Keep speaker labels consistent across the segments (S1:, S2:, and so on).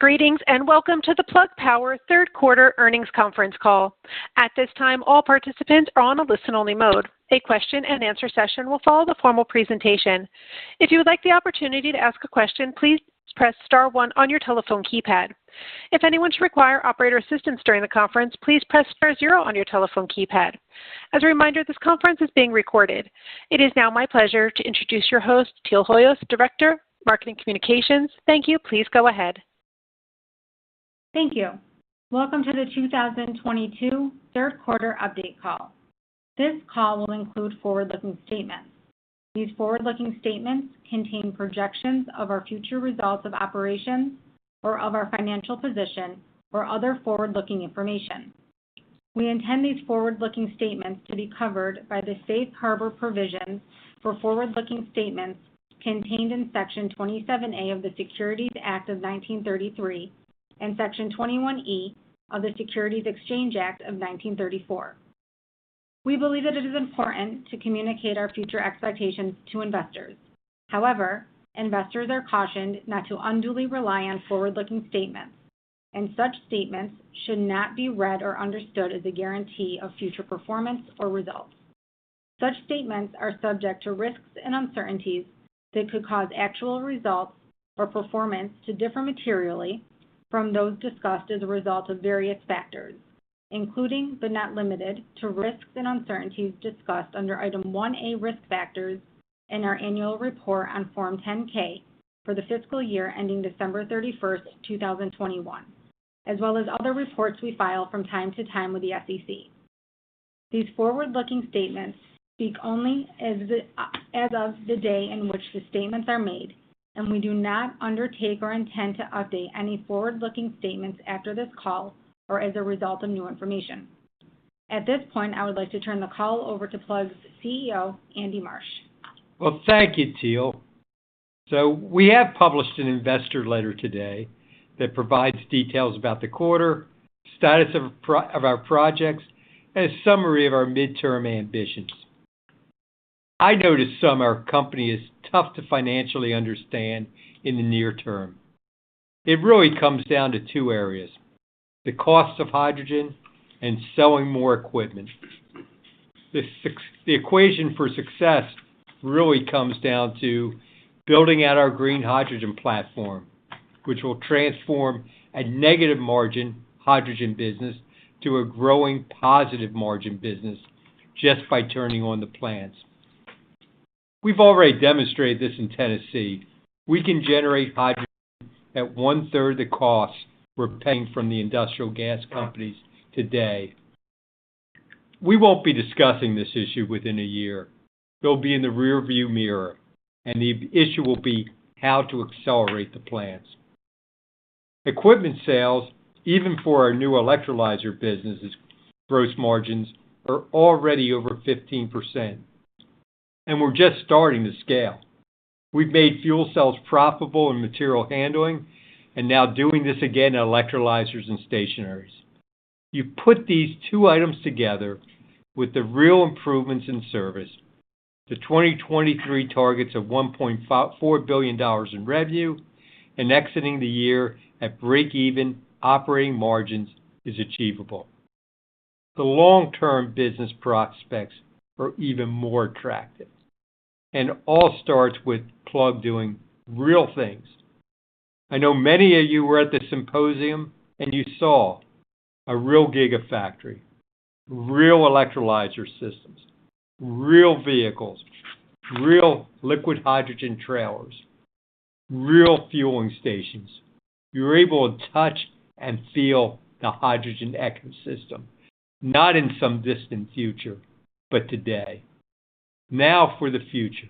S1: Greetings, and welcome to the Plug Power third quarter earnings conference call. At this time, all participants are on a listen-only mode. A question-and-answer session will follow the formal presentation. If you would like the opportunity to ask a question, please press star one on your telephone keypad. If anyone should require operator assistance during the conference, please press star zero on your telephone keypad. As a reminder, this conference is being recorded. It is now my pleasure to introduce your host, Teal Hoyos, Director, Marketing Communications. Thank you. Please go ahead.
S2: Thank you. Welcome to the 2022 third quarter update call. This call will include forward-looking statements. These forward-looking statements contain projections of our future results of operations or of our financial position or other forward-looking information. We intend these forward-looking statements to be covered by the safe harbor provisions for forward-looking statements contained in Section 27A of the Securities Act of 1933 and Section 21E of the Securities Exchange Act of 1934. We believe that it is important to communicate our future expectations to investors. However, investors are cautioned not to unduly rely on forward-looking statements, and such statements should not be read or understood as a guarantee of future performance or results. Such statements are subject to risks and uncertainties that could cause actual results or performance to differ materially from those discussed as a result of various factors, including but not limited to, risks and uncertainties discussed under Item 1A, Risk Factors in our annual report on Form 10-K for the fiscal year ending December 31, 2021, as well as other reports we file from time to time with the SEC. These forward-looking statements speak only as of the day in which the statements are made, and we do not undertake or intend to update any forward-looking statements after this call or as a result of new information. At this point, I would like to turn the call over to Plug's CEO, Andy Marsh.
S3: Well, thank you, Teal. We have published an investor letter today that provides details about the quarter, status of progress of our projects, and a summary of our midterm ambitions. I know to some our company is tough to financially understand in the near term. It really comes down to two areas, the cost of hydrogen and selling more equipment. The equation for success really comes down to building out our green hydrogen platform, which will transform a negative margin hydrogen business to a growing positive margin business just by turning on the plants. We've already demonstrated this in Tennessee. We can generate hydrogen at one-third the cost we're paying from the industrial gas companies today. We won't be discussing this issue within a year. It'll be in the rearview mirror, and the issue will be how to accelerate the plans. Equipment sales, even for our new electrolyzer business' gross margins, are already over 15%, and we're just starting to scale. We've made fuel cells profitable in material handling and now doing this again in electrolyzers and stationaries. You put these two items together with the real improvements in service, the 2023 targets of $1.4 billion in revenue and exiting the year at break-even operating margins is achievable. The long-term business prospects are even more attractive, and it all starts with Plug doing real things. I know many of you were at the symposium, and you saw a real gigafactory, real electrolyzer systems, real vehicles, real liquid hydrogen trailers, real fueling stations. You were able to touch and feel the hydrogen ecosystem, not in some distant future, but today. Now for the future.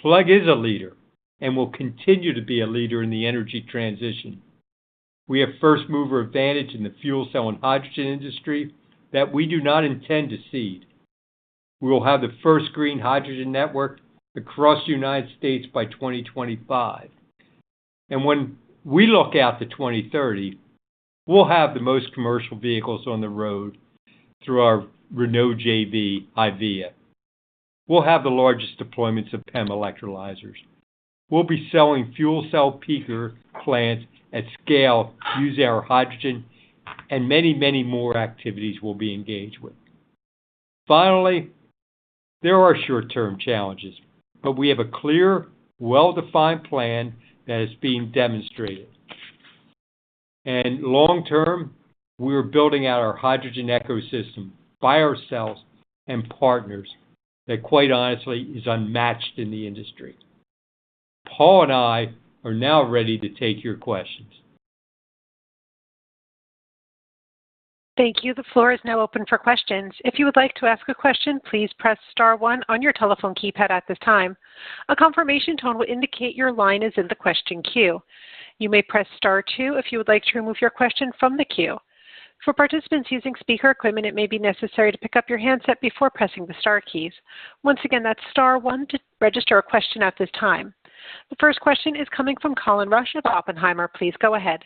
S3: Plug is a leader and will continue to be a leader in the energy transition. We have first-mover advantage in the fuel cell and hydrogen industry that we do not intend to cede. We will have the first green hydrogen network across the United States by 2025. When we look out to 2030, we'll have the most commercial vehicles on the road through our Renault JV, HYVIA. We'll have the largest deployments of PEM electrolyzers. We'll be selling fuel cell peaker plants at scale, use our hydrogen, and many, many more activities we'll be engaged with. Finally, there are short-term challenges, but we have a clear, well-defined plan that is being demonstrated. Long term, we are building out our hydrogen ecosystem by ourselves and partners that quite honestly is unmatched in the industry. Paul and I are now ready to take your questions.
S1: Thank you. The floor is now open for questions. If you would like to ask a question, please press star one on your telephone keypad at this time. A confirmation tone will indicate your line is in the question queue. You may press star two if you would like to remove your question from the queue. For participants using speaker equipment, it may be necessary to pick up your handset before pressing the star keys. Once again, that's star one to register a question at this time. The first question is coming from Colin Rusch of Oppenheimer. Please go ahead.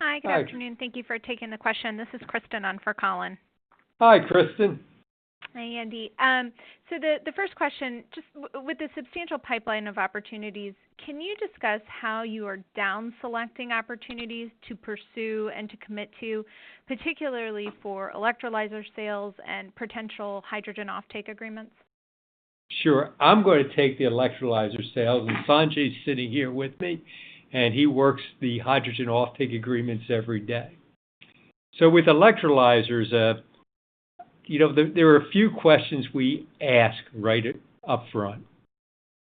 S4: Hi, good afternoon. Thank you for taking the question. This is Kristen on for Colin.
S3: Hi, Kristen.
S4: Hi, Andy. The first question, just with the substantial pipeline of opportunities, can you discuss how you are down selecting opportunities to pursue and to commit to, particularly for electrolyzer sales and potential hydrogen offtake agreements?
S3: Sure. I'm gonna take the electrolyzer sales, and Sanjay's sitting here with me, and he works the hydrogen offtake agreements every day. With electrolyzers, you know, there are a few questions we ask right up front.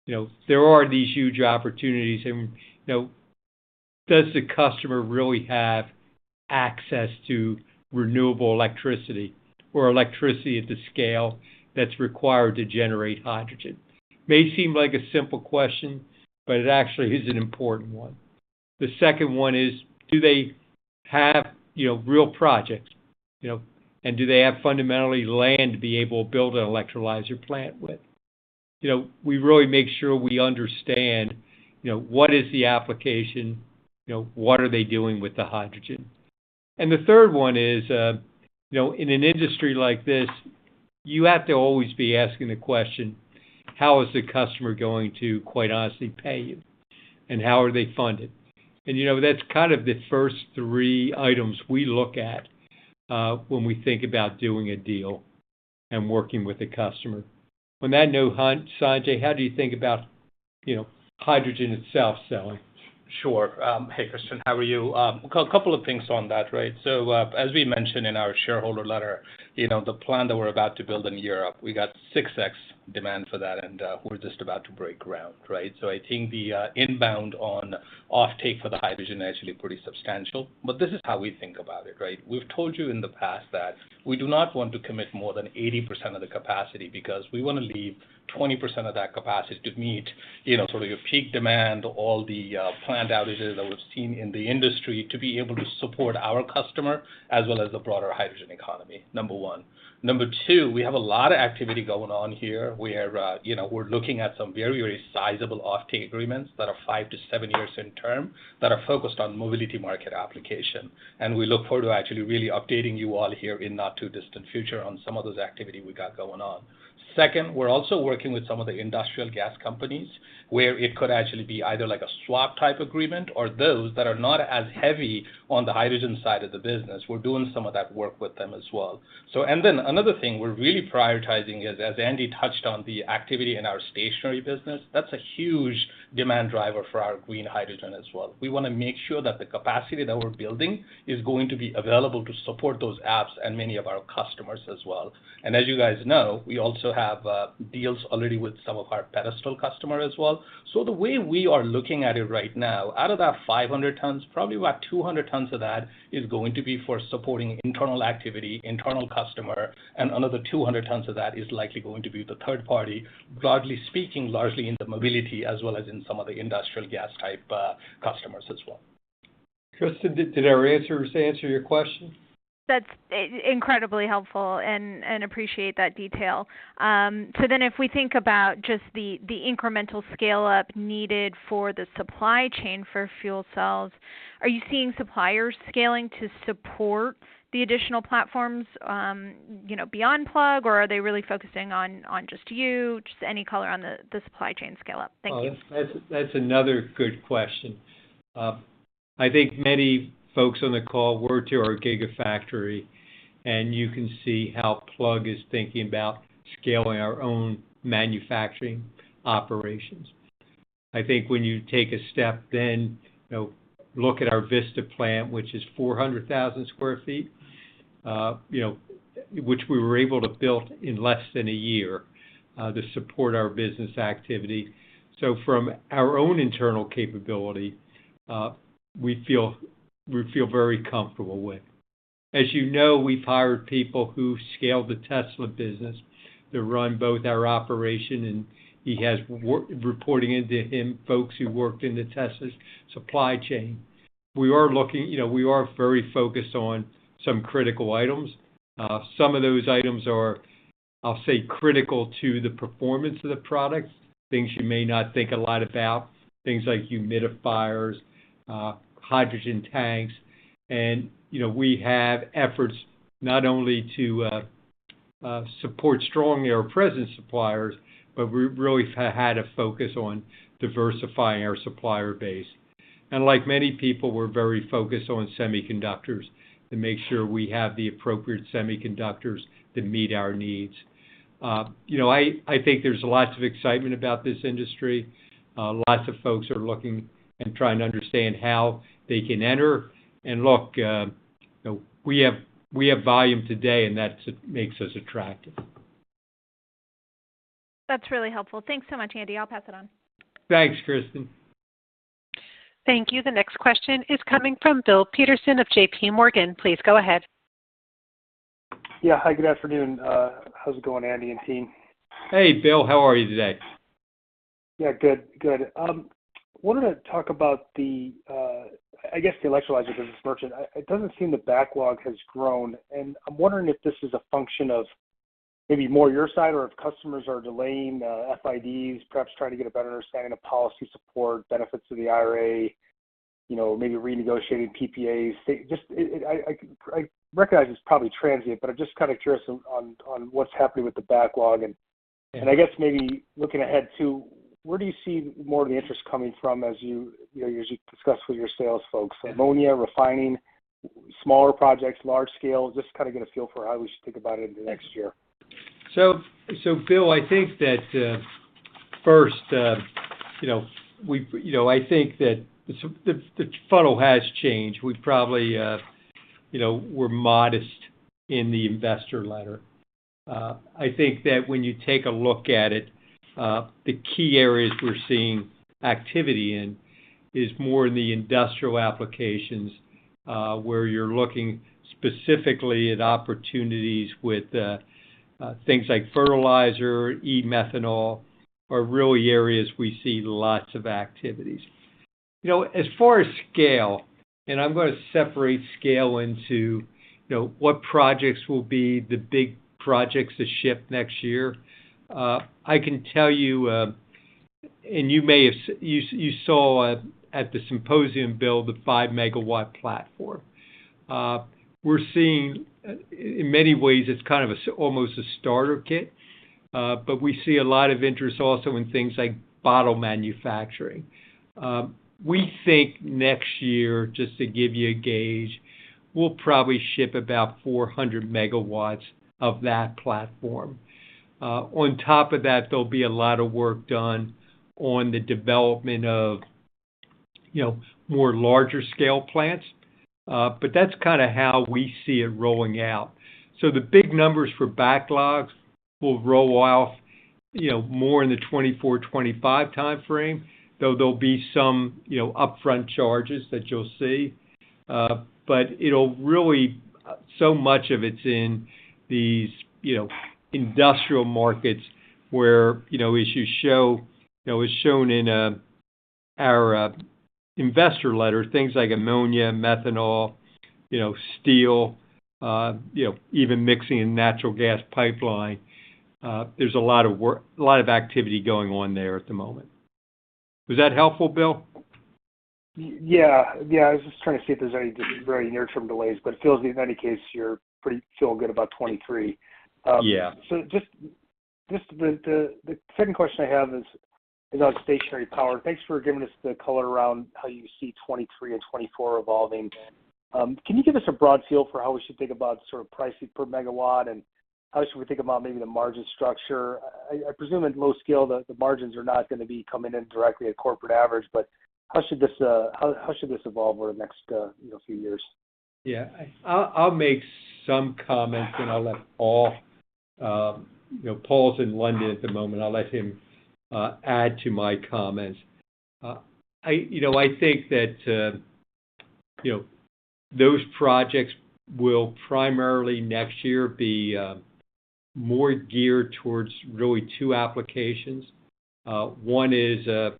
S3: You know, there are these huge opportunities and, you know, does the customer really have access to renewable electricity or electricity at the scale that's required to generate hydrogen. It may seem like a simple question, but it actually is an important one. The second one is, do they have, you know, real projects, you know, and do they have fundamentally land to be able to build an electrolyzer plant with. You know, we really make sure we understand, you know, what is the application, you know, what are they doing with the hydrogen. The third one is, you know, in an industry like this, you have to always be asking the question, how is the customer going to, quite honestly, pay you? How are they funded? You know, that's kind of the first three items we look at, when we think about doing a deal and working with a customer. On that note, Sanjay, how do you think about, you know, hydrogen itself selling?
S5: Sure. Hey, Kristen, how are you? A couple of things on that, right? As we mentioned in our shareholder letter, you know, the plant that we're about to build in Europe, we got 6x demand for that, and we're just about to break ground, right? I think the inbound on offtake for the hydrogen is actually pretty substantial. This is how we think about it, right? We've told you in the past that we do not want to commit more than 80% of the capacity because we wanna leave 20% of that capacity to meet, you know, sort of your peak demand, all the plant outages that we've seen in the industry to be able to support our customer as well as the broader hydrogen economy, number one. Number two, we have a lot of activity going on here. We are, you know, looking at some very, very sizable offtake agreements that are five-seven years in term that are focused on mobility market application. We look forward to actually really updating you all here in not too distant future on some of those activity we got going on. Second, we're also working with some of the industrial gas companies, where it could actually be either like a swap type agreement or those that are not as heavy on the hydrogen side of the business. We're doing some of that work with them as well. Then another thing we're really prioritizing is, as Andy touched on, the activity in our stationary business. That's a huge demand driver for our green hydrogen as well. We wanna make sure that the capacity that we're building is going to be available to support those apps and many of our customers as well. As you guys know, we also have deals already with some of our pedestal customer as well. The way we are looking at it right now, out of that 500 tons, probably about 200 tons of that is going to be for supporting internal activity, internal customer, and another 200 tons of that is likely going to be the third party, broadly speaking, largely in the mobility as well as in some of the industrial gas type customers as well.
S3: Kristen, did our answers answer your question?
S4: That's incredibly helpful and appreciate that detail. If we think about just the incremental scale-up needed for the supply chain for fuel cells, are you seeing suppliers scaling to support the additional platforms, you know, beyond Plug, or are they really focusing on just you? Just any color on the supply chain scale up. Thank you.
S3: Oh, that's another good question. I think many folks on the call went to our gigafactory, and you can see how Plug is thinking about scaling our own manufacturing operations. I think when you take a step, then, you know, look at our Vista plant, which is 400,000 sq ft, you know, which we were able to build in less than a year, to support our business activity. From our own internal capability, we feel very comfortable with. As you know, we've hired people who scaled the Tesla business to run both our operation, and he has reporting into him, folks who worked in the Tesla supply chain. We are looking. You know, we are very focused on some critical items. Some of those items are, I'll say, critical to the performance of the product, things you may not think a lot about, things like humidifiers, hydrogen tanks. You know, we have efforts not only to support strongly our present suppliers, but we really had a focus on diversifying our supplier base. Like many people, we're very focused on semiconductors to make sure we have the appropriate semiconductors that meet our needs. You know, I think there's lots of excitement about this industry. Lots of folks are looking and trying to understand how they can enter. Look, you know, we have volume today, and that makes us attractive.
S4: That's really helpful. Thanks so much, Andy. I'll pass it on.
S3: Thanks, Kristen.
S1: Thank you. The next question is coming from Bill Peterson of JPMorgan. Please go ahead.
S6: Yeah. Hi, good afternoon. How's it going, Andy and team?
S3: Hey, Bill. How are you today?
S6: Yeah, good. Good. Wanted to talk about the, I guess the electrolyzer business merchant. It doesn't seem the backlog has grown, and I'm wondering if this is a function of maybe more your side or if customers are delaying FIDs, perhaps trying to get a better understanding of policy support, benefits of the IRA, you know, maybe renegotiating PPAs. Just I recognize it's probably transient, but I'm just kind of curious on what's happening with the backlog. I guess maybe looking ahead to where do you see more of the interest coming from as you know as you discuss with your sales folks? Ammonia, refining, smaller projects, large scale? Just kind of get a feel for how we should think about it in the next year.
S3: Bill, I think that first, you know, I think that the funnel has changed. We probably, you know, we're modest in the investor letter. I think that when you take a look at it, the key areas we're seeing activity in is more in the industrial applications, where you're looking specifically at opportunities with things like fertilizer, e-methanol, are really areas we see lots of activities. You know, as far as scale, and I'm gonna separate scale into, you know, what projects will be the big projects to ship next year. I can tell you, and you may have seen at the symposium, Bill, the 5-MW platform. We're seeing in many ways it's kind of almost a starter kit, but we see a lot of interest also in things like bottle manufacturing. We think next year, just to give you a gauge, we'll probably ship about 400 MW of that platform. On top of that, there'll be a lot of work done on the development of, you know, more larger scale plants. That's kind of how we see it rolling out. The big numbers for backlogs will roll off, you know, more in the 2024, 2025 timeframe, though there'll be some, you know, upfront charges that you'll see. It'll really... Much of it's in these, you know, industrial markets where, as shown in our investor letter, things like ammonia, methanol, you know, steel, even mixing in natural gas pipeline, there's a lot of work, a lot of activity going on there at the moment. Was that helpful, Bill?
S6: Yeah. Yeah, I was just trying to see if there's any near-term delays, but it feels in any case you're feeling pretty good about 2023.
S3: Yeah.
S6: Just the second question I have is about stationary power. Thanks for giving us the color around how you see 2023 and 2024 evolving. Can you give us a broad feel for how we should think about sort of pricing per megawatt and how should we think about maybe the margin structure? I presume at low scale the margins are not gonna be coming in directly at corporate average, but how should this evolve over the next, you know, few years?
S3: Yeah. I'll make some comments and I'll let Paul. You know, Paul's in London at the moment. I'll let him add to my comments. You know, I think that you know, those projects will primarily next year be more geared towards really two applications. One is you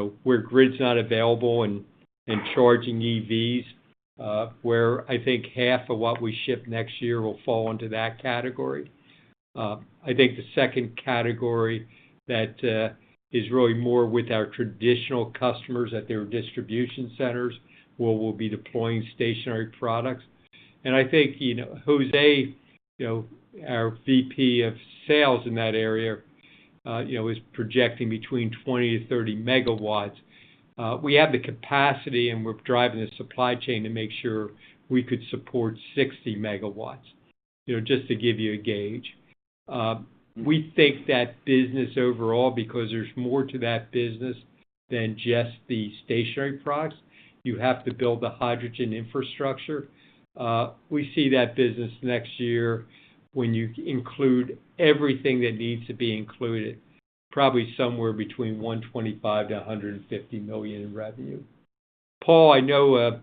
S3: know, where grid's not available and charging EVs, where I think half of what we ship next year will fall into that category. I think the second category that is really more with our traditional customers at their distribution centers, where we'll be deploying stationary products. I think you know, Jose you know, our VP of sales in that area you know, is projecting between 20-30 MW. We have the capacity and we're driving the supply chain to make sure we could support 60 MW, you know, just to give you a gauge. We think that business overall, because there's more to that business than just the stationary products, you have to build the hydrogen infrastructure. We see that business next year, when you include everything that needs to be included, probably somewhere between $125 million-$150 million in revenue. Paul, I know,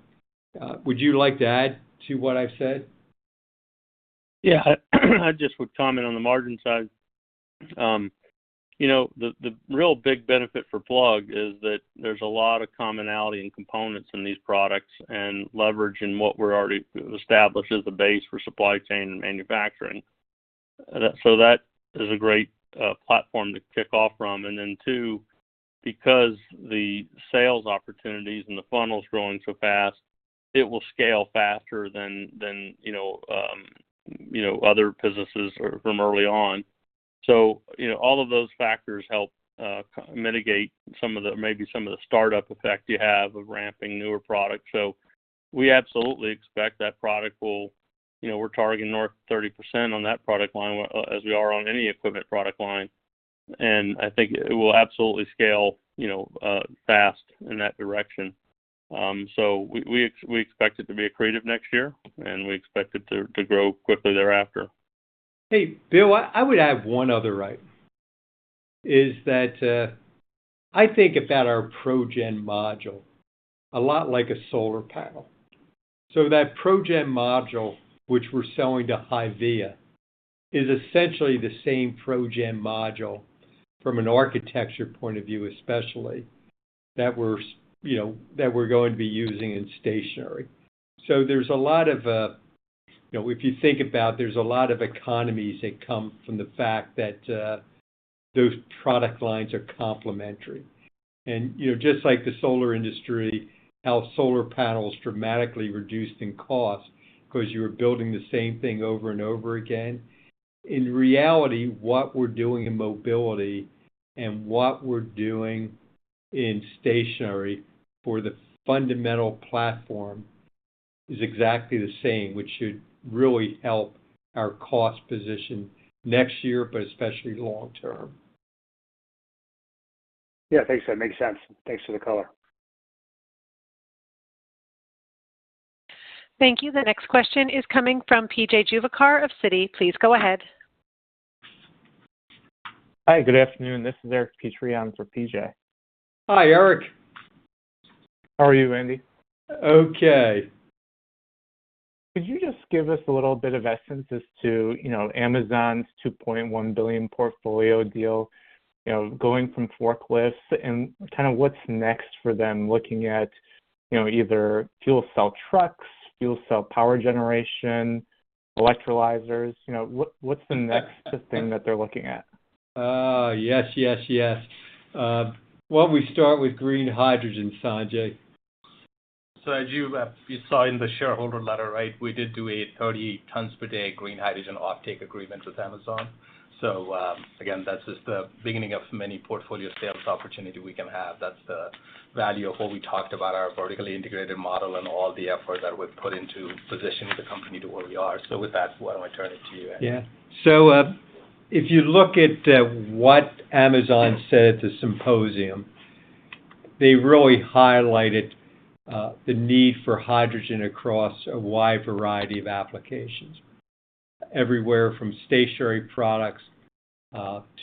S3: would you like to add to what I've said?
S7: Yeah. I just would comment on the margin side. You know, the real big benefit for Plug is that there's a lot of commonality in components in these products and leverage in what we're already established as a base for supply chain and manufacturing. That is a great platform to kick off from. Then too, because the sales opportunities and the funnel's growing so fast, it will scale faster than you know other businesses from early on. You know, all of those factors help kinda mitigate some of the, maybe some of the startup effect you have of ramping newer products. We absolutely expect that product will... You know, we're targeting north of 30% on that product line as we are on any equipment product line, and I think it will absolutely scale, you know, fast in that direction. We expect it to be accretive next year, and we expect it to grow quickly thereafter.
S3: Hey, Bill, I would add one other item, that is I think about our ProGen module a lot like a solar panel. That ProGen module, which we're selling to HYVIA, is essentially the same ProGen module from an architecture point of view, especially that we're, you know, that we're going to be using in stationary. There's a lot of, you know, if you think about, there's a lot of economies that come from the fact that those product lines are complementary. You know, just like the solar industry, how solar panels dramatically reduced in cost because you were building the same thing over and over again. In reality, what we're doing in mobility and what we're doing in stationary for the fundamental platform is exactly the same, which should really help our cost position next year, but especially long term.
S6: Yeah. Thanks. That makes sense. Thanks for the color.
S1: Thank you. The next question is coming from P.J. Juvekar of Citi. Please go ahead.
S8: Hi. Good afternoon. This is Eric Petrie for P.J.
S3: Hi, Eric.
S8: How are you, Andy?
S3: Okay.
S8: Could you just give us a little bit of sense as to, you know, Amazon's $2.1 billion portfolio deal, you know, going from forklifts and kind of what's next for them looking at, you know, either fuel cell trucks, fuel cell power generation, electrolyzers, you know, what's the next thing that they're looking at?
S3: Yes. Why don't we start with green hydrogen, Sanjay?
S5: As you saw in the shareholder letter, right, we did do a 30 tons per day green hydrogen offtake agreement with Amazon. Again, that's just the beginning of many portfolio sales opportunity we can have. That's the value of what we talked about, our vertically integrated model and all the effort that we've put into positioning the company to where we are. With that, why don't I turn it to you, Andy.
S3: Yeah. If you look at what Amazon said at the symposium, they really highlighted the need for hydrogen across a wide variety of applications, everywhere from stationary products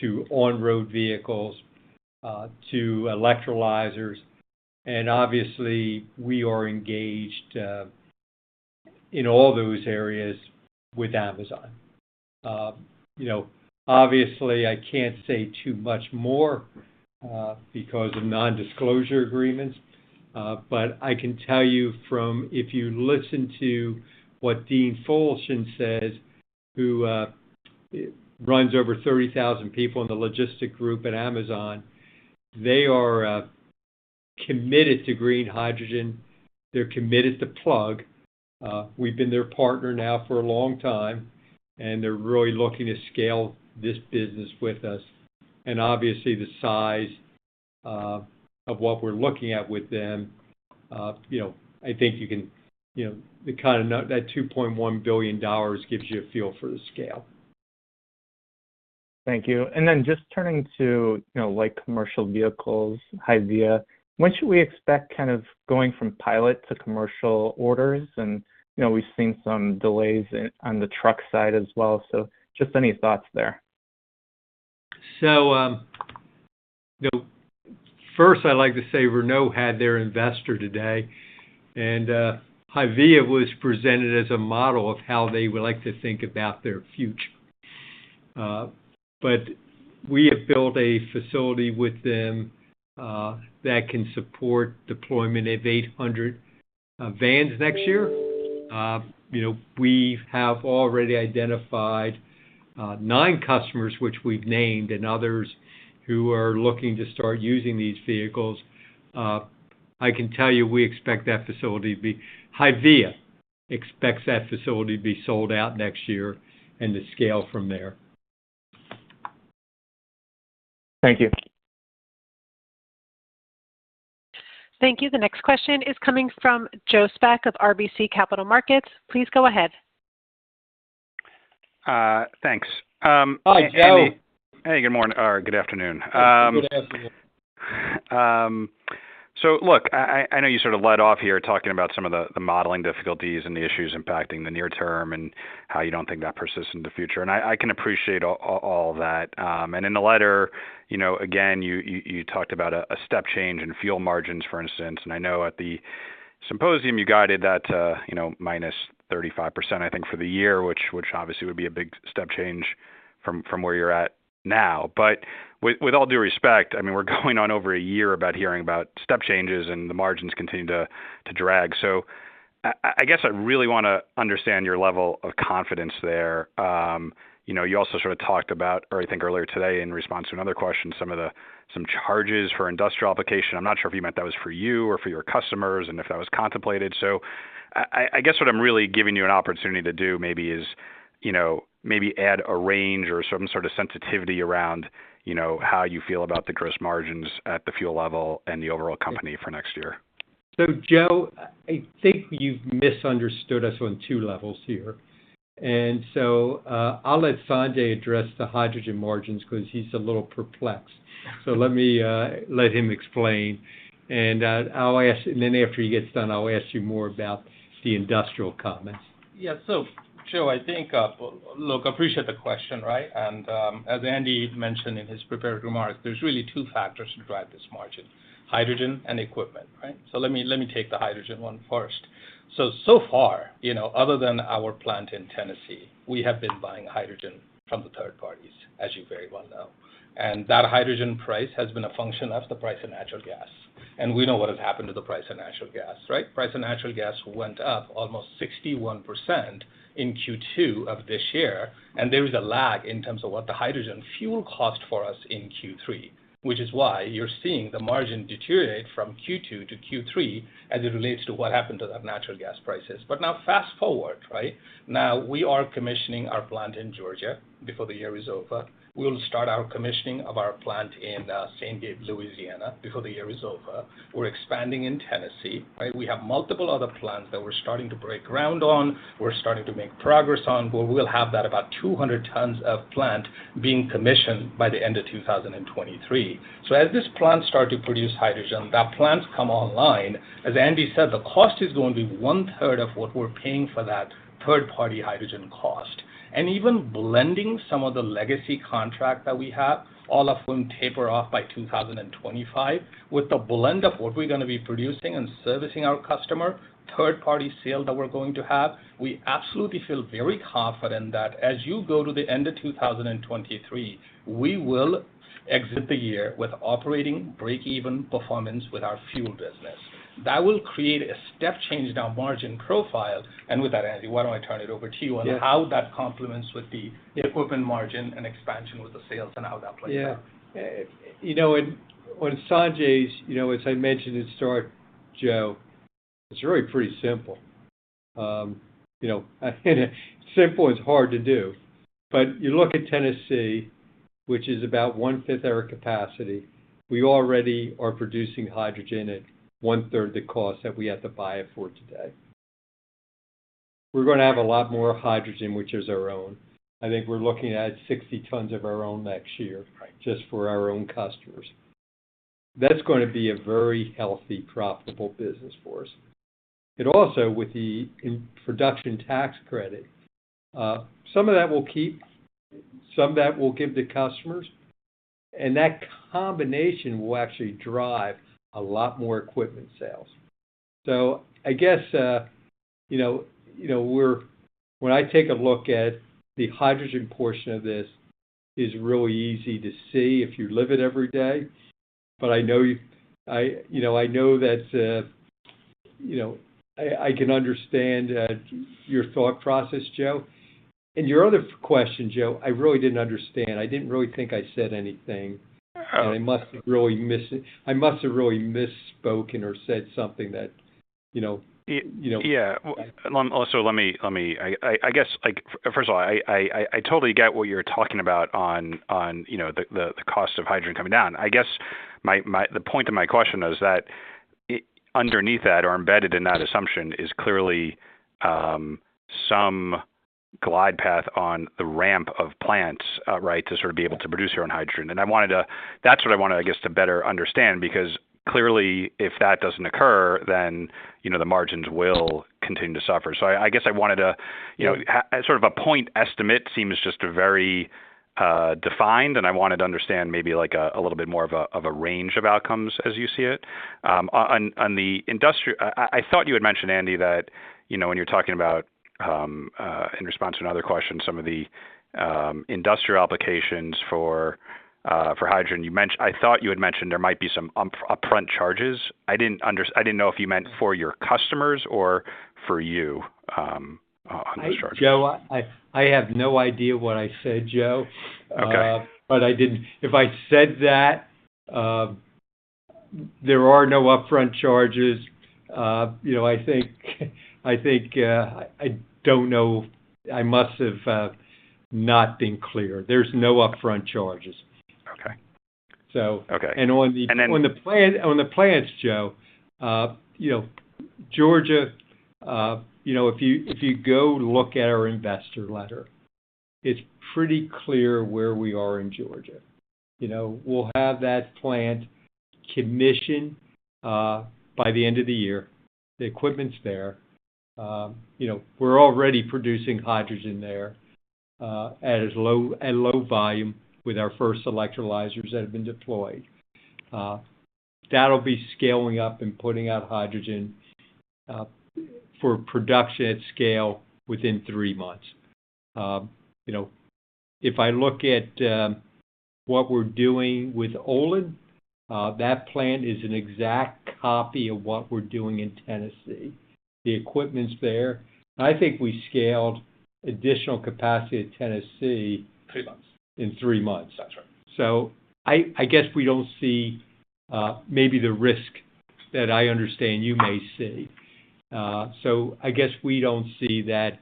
S3: to on-road vehicles to electrolyzers, and obviously, we are engaged in all those areas with Amazon. You know, obviously, I can't say too much more because of nondisclosure agreements, but I can tell you, if you listen to what Dean Fullerton says, who runs over 30,000 people in the logistics group at Amazon, they are committed to green hydrogen. They're committed to Plug. We've been their partner now for a long time, and they're really looking to scale this business with us. Obviously, the size of what we're looking at with them, you know, I think you can... You know, that $2.1 billion gives you a feel for the scale.
S8: Thank you. Just turning to, you know, like commercial vehicles, HYVIA, when should we expect kind of going from pilot to commercial orders? You know, we've seen some delays on the truck side as well, so just any thoughts there.
S3: You know, first, I'd like to say Renault had their investor day today, and HYVIA was presented as a model of how they would like to think about their future. We have built a facility with them that can support deployment of 800 vans next year. You know, we have already identified nine customers, which we've named, and others who are looking to start using these vehicles. I can tell you, HYVIA expects that facility to be sold out next year and to scale from there.
S8: Thank you.
S1: Thank you. The next question is coming from Joe Spak of RBC Capital Markets. Please go ahead.
S9: Thanks, Andy.
S3: Hi, Joe.
S9: Hey, good morning or good afternoon.
S3: Good afternoon.
S9: Look, I know you sort of led off here talking about some of the modeling difficulties and the issues impacting the near term and how you don't think that persists in the future, and I can appreciate all that. In the letter, you know, again, you talked about a step change in fuel margins, for instance. I know at the symposium you guided that to, you know, minus 35%, I think, for the year, which obviously would be a big step change from where you're at now. With all due respect, I mean, we're going on over a year about hearing about step changes and the margins continue to drag. I guess I really wanna understand your level of confidence there. You know, you also sort of talked about or I think earlier today in response to another question, some charges for industrial application. I'm not sure if you meant that was for you or for your customers and if that was contemplated. I guess what I'm really giving you an opportunity to do maybe is, you know, maybe add a range or some sort of sensitivity around, you know, how you feel about the gross margins at the fuel level and the overall company for next year.
S3: Joe, I think you've misunderstood us on two levels here. I'll let Sanjay address the hydrogen margins because he's a little perplexed. Let him explain, and then after he gets done, I'll ask you more about the industrial comments.
S5: Yeah. Joe, I think, look, I appreciate the question, right? As Andy mentioned in his prepared remarks, there's really two factors to drive this margin, hydrogen and equipment, right? Let me take the hydrogen one first. So far, you know, other than our plant in Tennessee, we have been buying hydrogen from the third parties, as you very well know. That hydrogen price has been a function of the price of natural gas. We know what has happened to the price of natural gas, right? Price of natural gas went up almost 61% in Q2 of this year, and there is a lag in terms of what the hydrogen fuel cost for us in Q3, which is why you're seeing the margin deteriorate from Q2 to Q3 as it relates to what happened to the natural gas prices. Now fast-forward, right? Now we are commissioning our plant in Georgia before the year is over. We'll start our commissioning of our plant in, St. Gabriel, Louisiana before the year is over. We're expanding in Tennessee, right? We have multiple other plants that we're starting to break ground on, we're starting to make progress on, where we'll have that about 200 tons of plant being commissioned by the end of 2023. As this plant start to produce hydrogen, that plants come online, as Andy said, the cost is going to be one-third of what we're paying for that third-party hydrogen cost. Even blending some of the legacy contract that we have, all of whom taper off by 2025, with the blend of what we're gonna be producing and servicing our customer, third-party sale that we're going to have, we absolutely feel very confident that as you go to the end of 2023, we will exit the year with operating break-even performance with our fuel business. That will create a step change in our margin profile. With that, Andy, why don't I turn it over to you-
S3: Yeah.
S5: -on how that complements with the-
S3: Yeah.
S5: -equipment margin and expansion with the sales, and how that plays out.
S3: Yeah. You know, when Sanjay's, you know, as I mentioned at start, Joe, it's really pretty simple. You know, simple is hard to do. You look at Tennessee, which is about one-fifth of our capacity, we already are producing hydrogen at one-third the cost that we have to buy it for today. We're gonna have a lot more hydrogen, which is our own. I think we're looking at 60 tons of our own next year.
S5: Right.
S3: Just for our own customers. That's gonna be a very healthy, profitable business for us. It also, with the production tax credit, some of that we'll keep, some of that we'll give to customers, and that combination will actually drive a lot more equipment sales. I guess, when I take a look at the hydrogen portion of this, it's really easy to see if you live it every day. I know, you know, I know that, you know, I can understand your thought process, Joe. Your other question, Joe, I really didn't understand. I didn't really think I said anything. I must have really misspoken or said something that, you know.
S9: Yeah. Well, also let me. I guess, like, first of all, I totally get what you're talking about on, you know, the cost of hydrogen coming down. I guess my the point of my question is that underneath that or embedded in that assumption is clearly some glide path on the ramp of plants, right, to sort of be able to produce your own hydrogen. I wanted to. That's what I wanted to, I guess, to better understand because clearly if that doesn't occur, then, you know, the margins will continue to suffer. I guess I wanted to-
S3: Yeah.
S9: You know, sort of a point estimate seems just a very defined, and I wanted to understand maybe like a little bit more of a range of outcomes as you see it. On the industry, I thought you had mentioned, Andy, that you know, when you're talking about in response to another question some of the industrial applications for hydrogen, there might be some upfront charges. I didn't know if you meant for your customers or for you on those charges.
S3: Joe, I have no idea what I said, Joe.
S9: Okay.
S3: If I said that, there are no upfront charges. You know, I think I don't know, I must have not been clear. There's no upfront charges.
S9: Okay.
S3: So-
S9: Okay.
S3: And on the-
S9: And then-
S3: On the plans, Joe, you know, Georgia, you know, if you go look at our investor letter, it's pretty clear where we are in Georgia. You know, we'll have that plant commissioned by the end of the year. The equipment's there. You know, we're already producing hydrogen there at low volume with our first electrolyzers that have been deployed. That'll be scaling up and putting out hydrogen for production at scale within three months. You know, if I look at what we're doing with Olin, that plant is an exact copy of what we're doing in Tennessee. The equipment's there. I think we scaled additional capacity at Tennessee-
S5: Three months.
S3: -in three months.
S5: That's right.
S3: I guess we don't see maybe the risk that I understand you may see. I guess we don't see that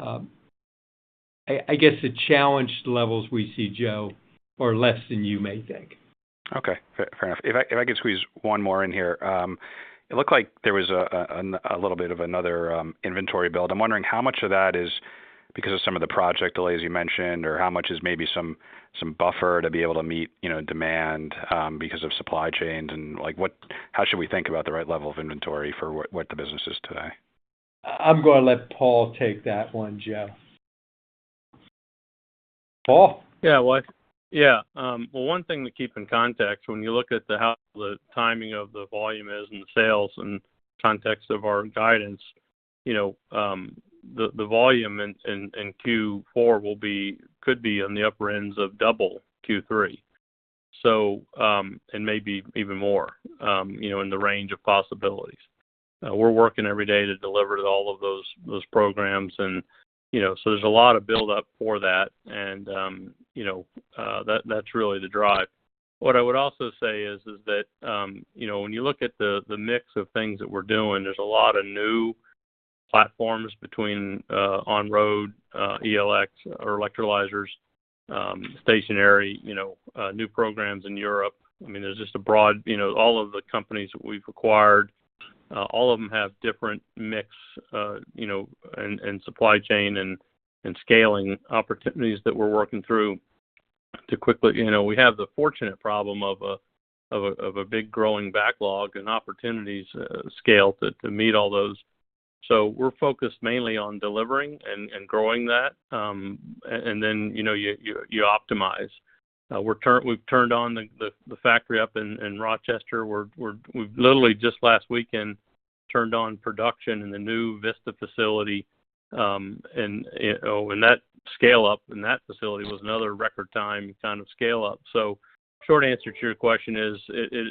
S3: I guess the challenge levels we see, Joe, are less than you may think.
S9: Okay. Fair enough. If I could squeeze one more in here. It looked like there was a little bit of another inventory build. I'm wondering how much of that is because of some of the project delays you mentioned, or how much is maybe some buffer to be able to meet, you know, demand because of supply chains, and like, what, how should we think about the right level of inventory for what the business is today?
S3: I'm gonna let Paul take that one, Joe. Paul?
S7: One thing to keep in context when you look at how the timing of the volume is and the sales in context of our guidance. You know, the volume in Q4 could be on the upper end of double Q3 and maybe even more, you know, in the range of possibilities. We're working every day to deliver to all of those programs and, you know, there's a lot of build-up for that and, you know, that's really the drive. What I would also say is that, you know, when you look at the mix of things that we're doing, there's a lot of new platforms between on-road, ELX or electrolyzers, stationary, you know, new programs in Europe. I mean, there's just a broad, you know, all of the companies that we've acquired, all of them have different mix, you know, and supply chain and scaling opportunities that we're working through to quickly. You know, we have the fortunate problem of a big growing backlog and opportunities to scale to meet all those. We're focused mainly on delivering and growing that, and then, you know, you optimize. We've turned on the factory up in Rochester. We've literally just last weekend turned on production in the new Vista facility, and oh, and that scale up in that facility was another record time kind of scale up. Short answer to your question is,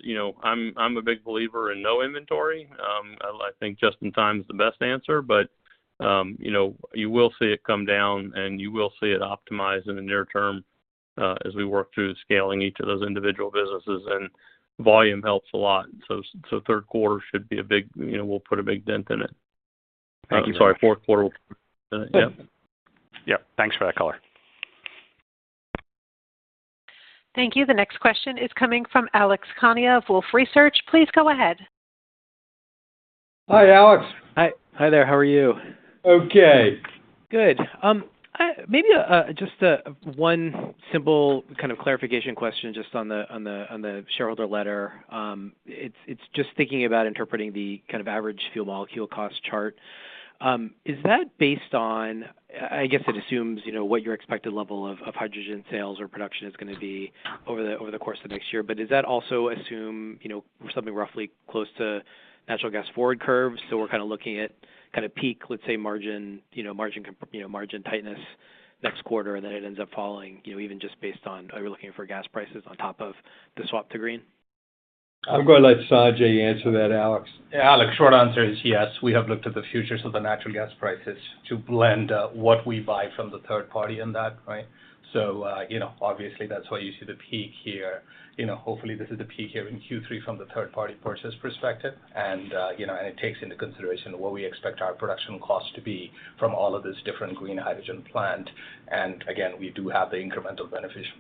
S7: you know, I'm a big believer in no inventory. I think just in time is the best answer, but you know, you will see it come down, and you will see it optimize in the near term, as we work through scaling each of those individual businesses. Volume helps a lot, so third quarter should be a big, you know, we'll put a big dent in it.
S9: Thank you.
S7: I'm sorry, fourth quarter. Yeah.
S9: Yeah. Thanks for that color.
S1: Thank you. The next question is coming from Alex Kania of Wolfe Research. Please go ahead.
S3: Hi, Alex.
S10: Hi. Hi there. How are you?
S3: Okay.
S10: Good. Maybe just one simple kind of clarification question just on the shareholder letter. It's just thinking about interpreting the kind of average fuel molecule cost chart. Is that based on? I guess it assumes, you know, what your expected level of hydrogen sales or production is gonna be over the course of next year. Does that also assume, you know, something roughly close to natural gas forward curves? So we're kinda looking at kind of peak, let's say, margin, you know, margin tightness next quarter, and then it ends up falling, you know, even just based on, are we looking for gas prices on top of the swap to green?
S3: I'm gonna let Sanjay answer that, Alex.
S5: Yeah, Alex, short answer is yes. We have looked at the future, so the natural gas prices to blend, what we buy from the third party in that, right? You know, obviously that's why you see the peak here. You know, hopefully, this is the peak here in Q3 from the third party purchase perspective. You know, and it takes into consideration what we expect our production cost to be from all of this different green hydrogen plant. And again, we do have the incremental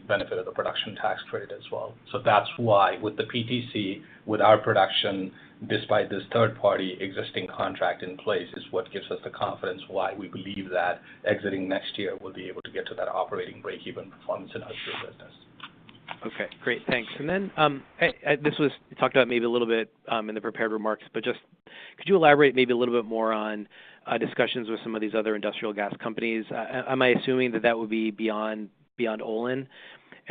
S5: benefit of the production tax credit as well. That's why with the PTC, with our production, despite this third party existing contract in place, is what gives us the confidence why we believe that exiting next year, we'll be able to get to that operating break-even performance in our fuel business.
S10: Okay. Great. Thanks. This was talked about maybe a little bit in the prepared remarks, but just could you elaborate maybe a little bit more on discussions with some of these other industrial gas companies? Am I assuming that that would be beyond Olin?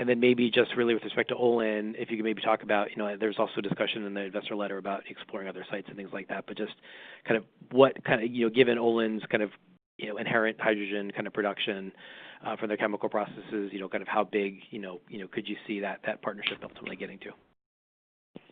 S10: Then maybe just really with respect to Olin, if you could maybe talk about, you know, there's also discussion in the investor letter about exploring other sites and things like that. Just kind of what kind of, you know, given Olin's kind of, you know, inherent hydrogen kind of production for their chemical processes, you know, kind of how big, you know, could you see that partnership ultimately getting to?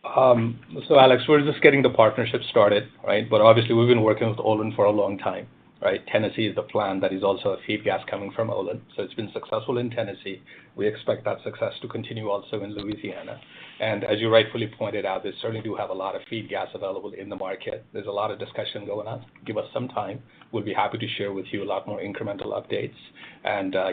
S5: Alex, we're just getting the partnership started, right? Obviously, we've been working with Olin for a long time, right? Tennessee is the plant that is also a feed gas coming from Olin. It's been successful in Tennessee. We expect that success to continue also in Louisiana. As you rightfully pointed out, they certainly do have a lot of feed gas available in the market. There's a lot of discussion going on. Give us some time. We'd be happy to share with you a lot more incremental updates.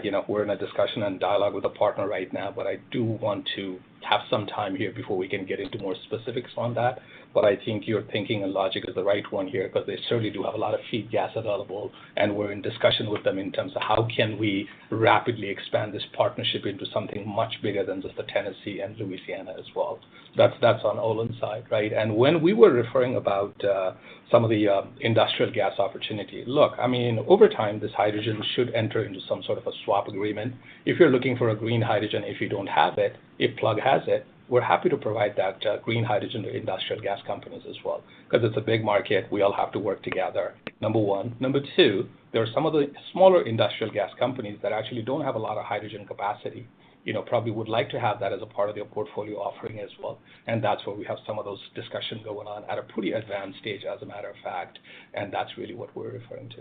S5: You know, we're in a discussion and dialogue with the partner right now, but I do want to have some time here before we can get into more specifics on that. I think your thinking and logic is the right one here, because they certainly do have a lot of feed gas available, and we're in discussion with them in terms of how can we rapidly expand this partnership into something much bigger than just the Tennessee and Louisiana as well. That's on Olin's side, right? When we were referring to some of the industrial gas opportunity, look, I mean, over time, this hydrogen should enter into some sort of a swap agreement. If you're looking for a green hydrogen, if you don't have it, if Plug has it, we're happy to provide that green hydrogen to industrial gas companies as well. 'Cause it's a big market, we all have to work together, number one. Number two, there are some of the smaller industrial gas companies that actually don't have a lot of hydrogen capacity, you know, probably would like to have that as a part of their portfolio offering as well. That's where we have some of those discussions going on at a pretty advanced stage, as a matter of fact. That's really what we're referring to.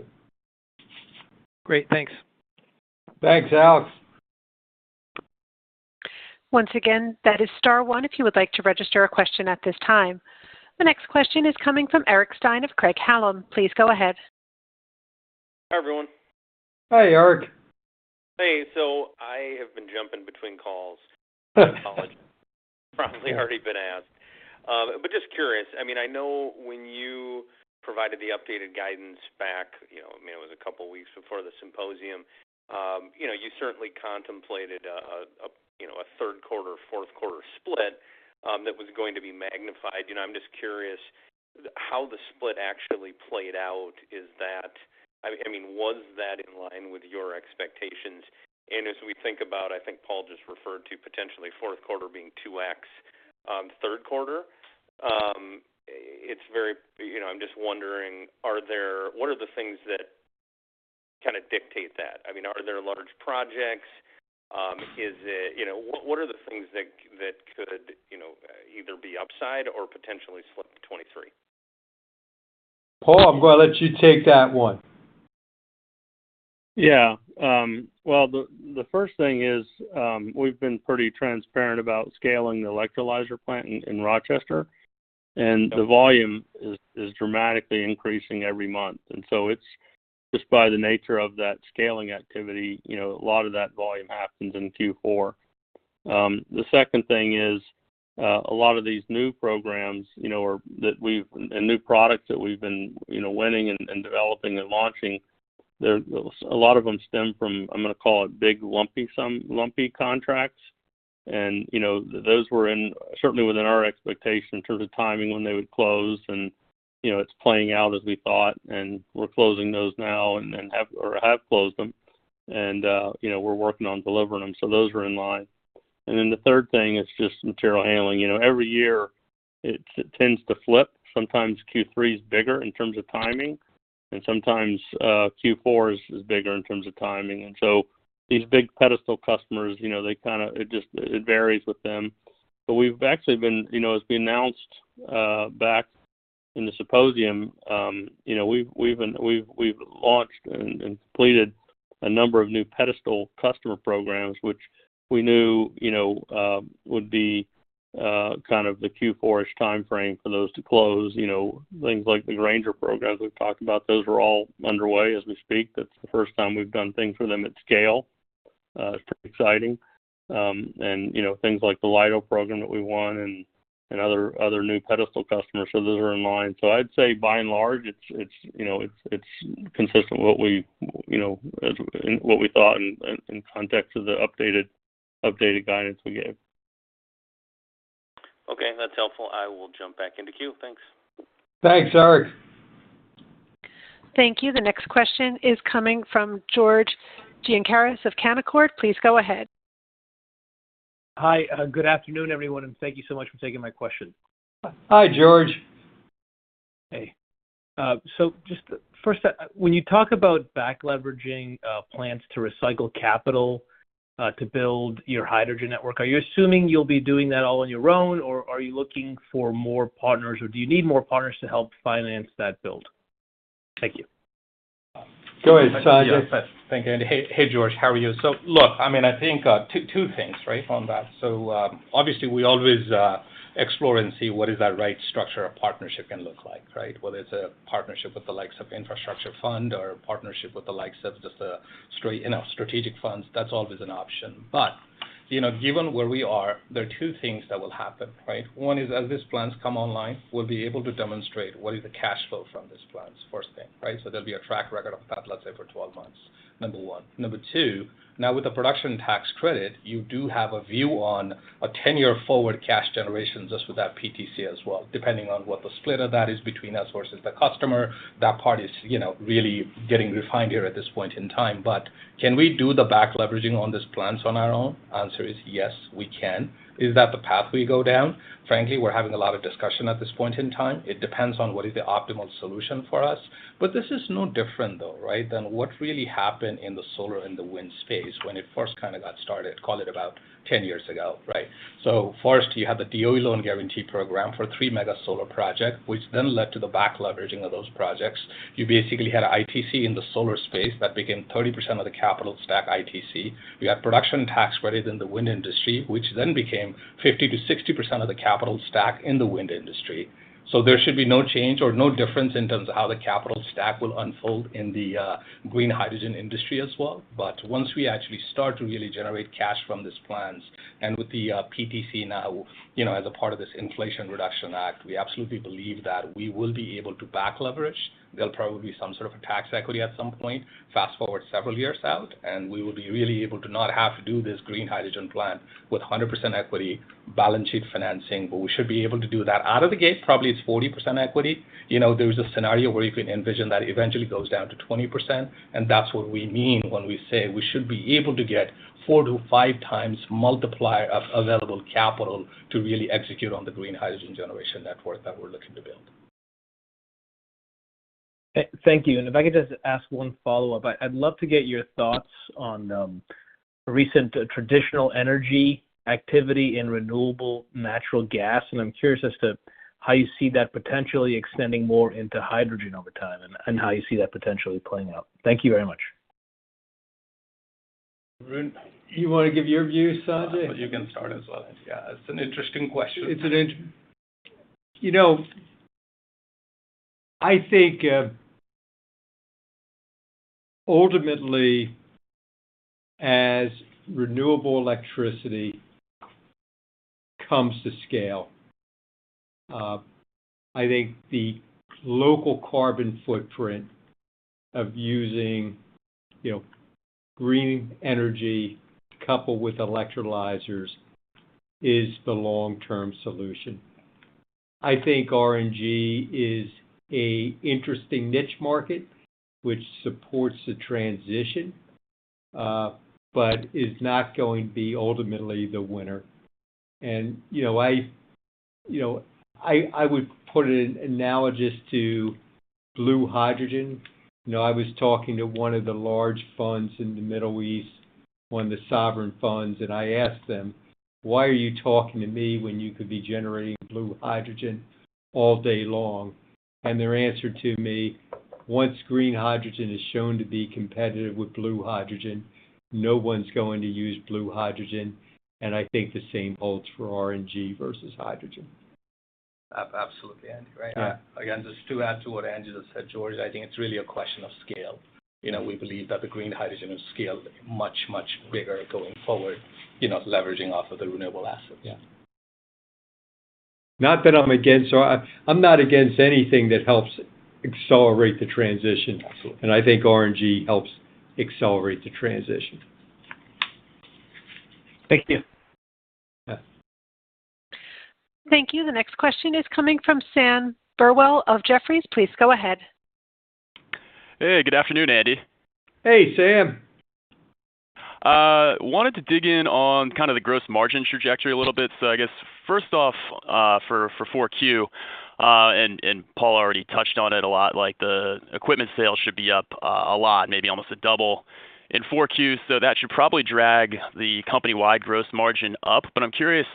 S10: Great. Thanks.
S3: Thanks, Alex.
S1: Once again, that is star one if you would like to register a question at this time. The next question is coming from Eric Stine of Craig-Hallum. Please go ahead.
S11: Hi, everyone.
S3: Hi, Eric.
S11: Hey. I have been jumping between calls. Apologies. Probably already been asked. Just curious, I mean, I know when you provided the updated guidance back, you know, I mean, it was a couple weeks before the symposium, you know, you certainly contemplated a third quarter, fourth quarter split that was going to be magnified. You know, I'm just curious how the split actually played out. Is that, I mean, was that in line with your expectations? As we think about, I think Paul just referred to potentially fourth quarter being 2x third quarter. You know, I'm just wondering, what are the things that kind of dictate that? I mean, are there large projects? Is it... You know, what are the things that could, you know, either be upside or potentially slip to 2023?
S3: Paul, I'm gonna let you take that one.
S7: Yeah. Well, the first thing is, we've been pretty transparent about scaling the electrolyzer plant in Rochester, and the volume is dramatically increasing every month. It's just by the nature of that scaling activity, you know, a lot of that volume happens in Q4. The second thing is, a lot of these new programs, you know, and new products that we've been, you know, winning and developing and launching. A lot of them stem from, I'm gonna call it, big lumpy contracts. You know, those were certainly within our expectation in terms of timing when they would close. You know, it's playing out as we thought, and we're closing those now, or have closed them. You know, we're working on delivering them. Those are in line. Then the third thing is just material handling. Every year it tends to flip. Sometimes Q3 is bigger in terms of timing, and sometimes Q4 is bigger in terms of timing. These big pedestal customers, it varies with them. We've launched and completed a number of new pedestal customer programs, which we knew would be kind of the Q4-ish timeframe for those to close. Things like the Grainger programs we've talked about, those are all underway as we speak. That's the first time we've done things for them at scale. It's pretty exciting. You know, things like the Lidl program that we won and other new pedestal customers. Those are in line. I'd say by and large, it's, you know, consistent with what we thought in the context of the updated guidance we gave.
S11: Okay. That's helpful. I will jump back into queue. Thanks.
S3: Thanks, Eric.
S1: Thank you. The next question is coming from George Gianarikas of Canaccord Genuity. Please go ahead.
S12: Hi. Good afternoon, everyone, and thank you so much for taking my question.
S3: Hi, George.
S12: Hey. So just first, when you talk about back leveraging plants to recycle capital to build your hydrogen network, are you assuming you'll be doing that all on your own, or are you looking for more partners, or do you need more partners to help finance that build? Thank you.
S3: Sanjay.
S5: Thank you. Hey, George Gianarikas. How are you? Look, I mean, I think two things, right, on that. Obviously, we always explore and see what is that right structure a partnership can look like, right? Whether it's a partnership with the likes of Infrastructure Fund or a partnership with the likes of just a straight, you know, strategic funds, that's always an option. You know, given where we are, there are two things that will happen, right? One is, as these plants come online, we'll be able to demonstrate what is the cash flow from these plants, first thing, right? There'll be a track record of that, let's say, for 12 months, number one. Number two, now with the production tax credit, you do have a view on a 10-year forward cash generation just with that PTC as well, depending on what the split of that is between us versus the customer. That part is, you know, really getting refined here at this point in time. Can we do the back leveraging on these plants on our own? Answer is yes, we can. Is that the path we go down? Frankly, we're having a lot of discussion at this point in time. It depends on what is the optimal solution for us. This is no different, though, right, than what really happened in the solar and the wind space when it first kinda got started, call it about 10 years ago, right? First you have the DOE loan guarantee program for a 3-MW solar project, which then led to the back leveraging of those projects. You basically had ITC in the solar space. That became 30% of the capital stack ITC. You had production tax credits in the wind industry, which then became 50%-60% of the capital stack in the wind industry. There should be no change or no difference in terms of how the capital stack will unfold in the green hydrogen industry as well. Once we actually start to really generate cash from these plants, and with the PTC now, you know, as a part of this Inflation Reduction Act, we absolutely believe that we will be able to back leverage. There'll probably be some sort of a tax equity at some point, fast-forward several years out, and we will be really able to not have to do this green hydrogen plant with 100% equity balance sheet financing. We should be able to do that out of the gate, probably it's 40% equity. You know, there is a scenario where you can envision that eventually goes down to 20%, and that's what we mean when we say we should be able to get 4-5x multiplier of available capital to really execute on the green hydrogen generation network that we're looking to build.
S12: Thank you. If I could just ask one follow-up. I'd love to get your thoughts on recent traditional energy activity in renewable natural gas, and I'm curious as to how you see that potentially extending more into hydrogen over time and how you see that potentially playing out. Thank you very much.
S3: Do you wanna give your view, Sanjay?
S5: You can start as well. Yeah, it's an interesting question.
S3: You know, I think ultimately, as renewable electricity comes to scale, I think the local carbon footprint of using, you know, green energy coupled with electrolyzers is the long-term solution. I think RNG is an interesting niche market which supports the transition, but is not going to be ultimately the winner. You know, I would put it analogous to blue hydrogen. You know, I was talking to one of the large funds in the Middle East, one of the sovereign funds, and I asked them, "Why are you talking to me when you could be generating blue hydrogen all day long?" Their answer to me, "Once green hydrogen is shown to be competitive with blue hydrogen, no one's going to use blue hydrogen." I think the same holds for RNG versus hydrogen.
S5: Absolutely, Andy. Right.
S3: Yeah.
S5: Again, just to add to what Andy said, George, I think it's really a question of scale. You know, we believe that the green hydrogen is scaled much, much bigger going forward, you know, leveraging off of the renewable assets. Yeah.
S3: I'm not against anything that helps accelerate the transition.
S5: Absolutely.
S3: I think RNG helps accelerate the transition.
S12: Thank you.
S3: Yeah.
S1: Thank you. The next question is coming from Sam Burwell of Jefferies. Please go ahead.
S13: Hey, good afternoon, Andy.
S3: Hey, Sam.
S13: Wanted to dig in on kind of the gross margin trajectory a little bit. I guess first off, for Q4, and Paul already touched on it a lot, like the equipment sales should be up a lot, maybe almost a double in Q4. That should probably drag the company-wide gross margin up. I'm curious,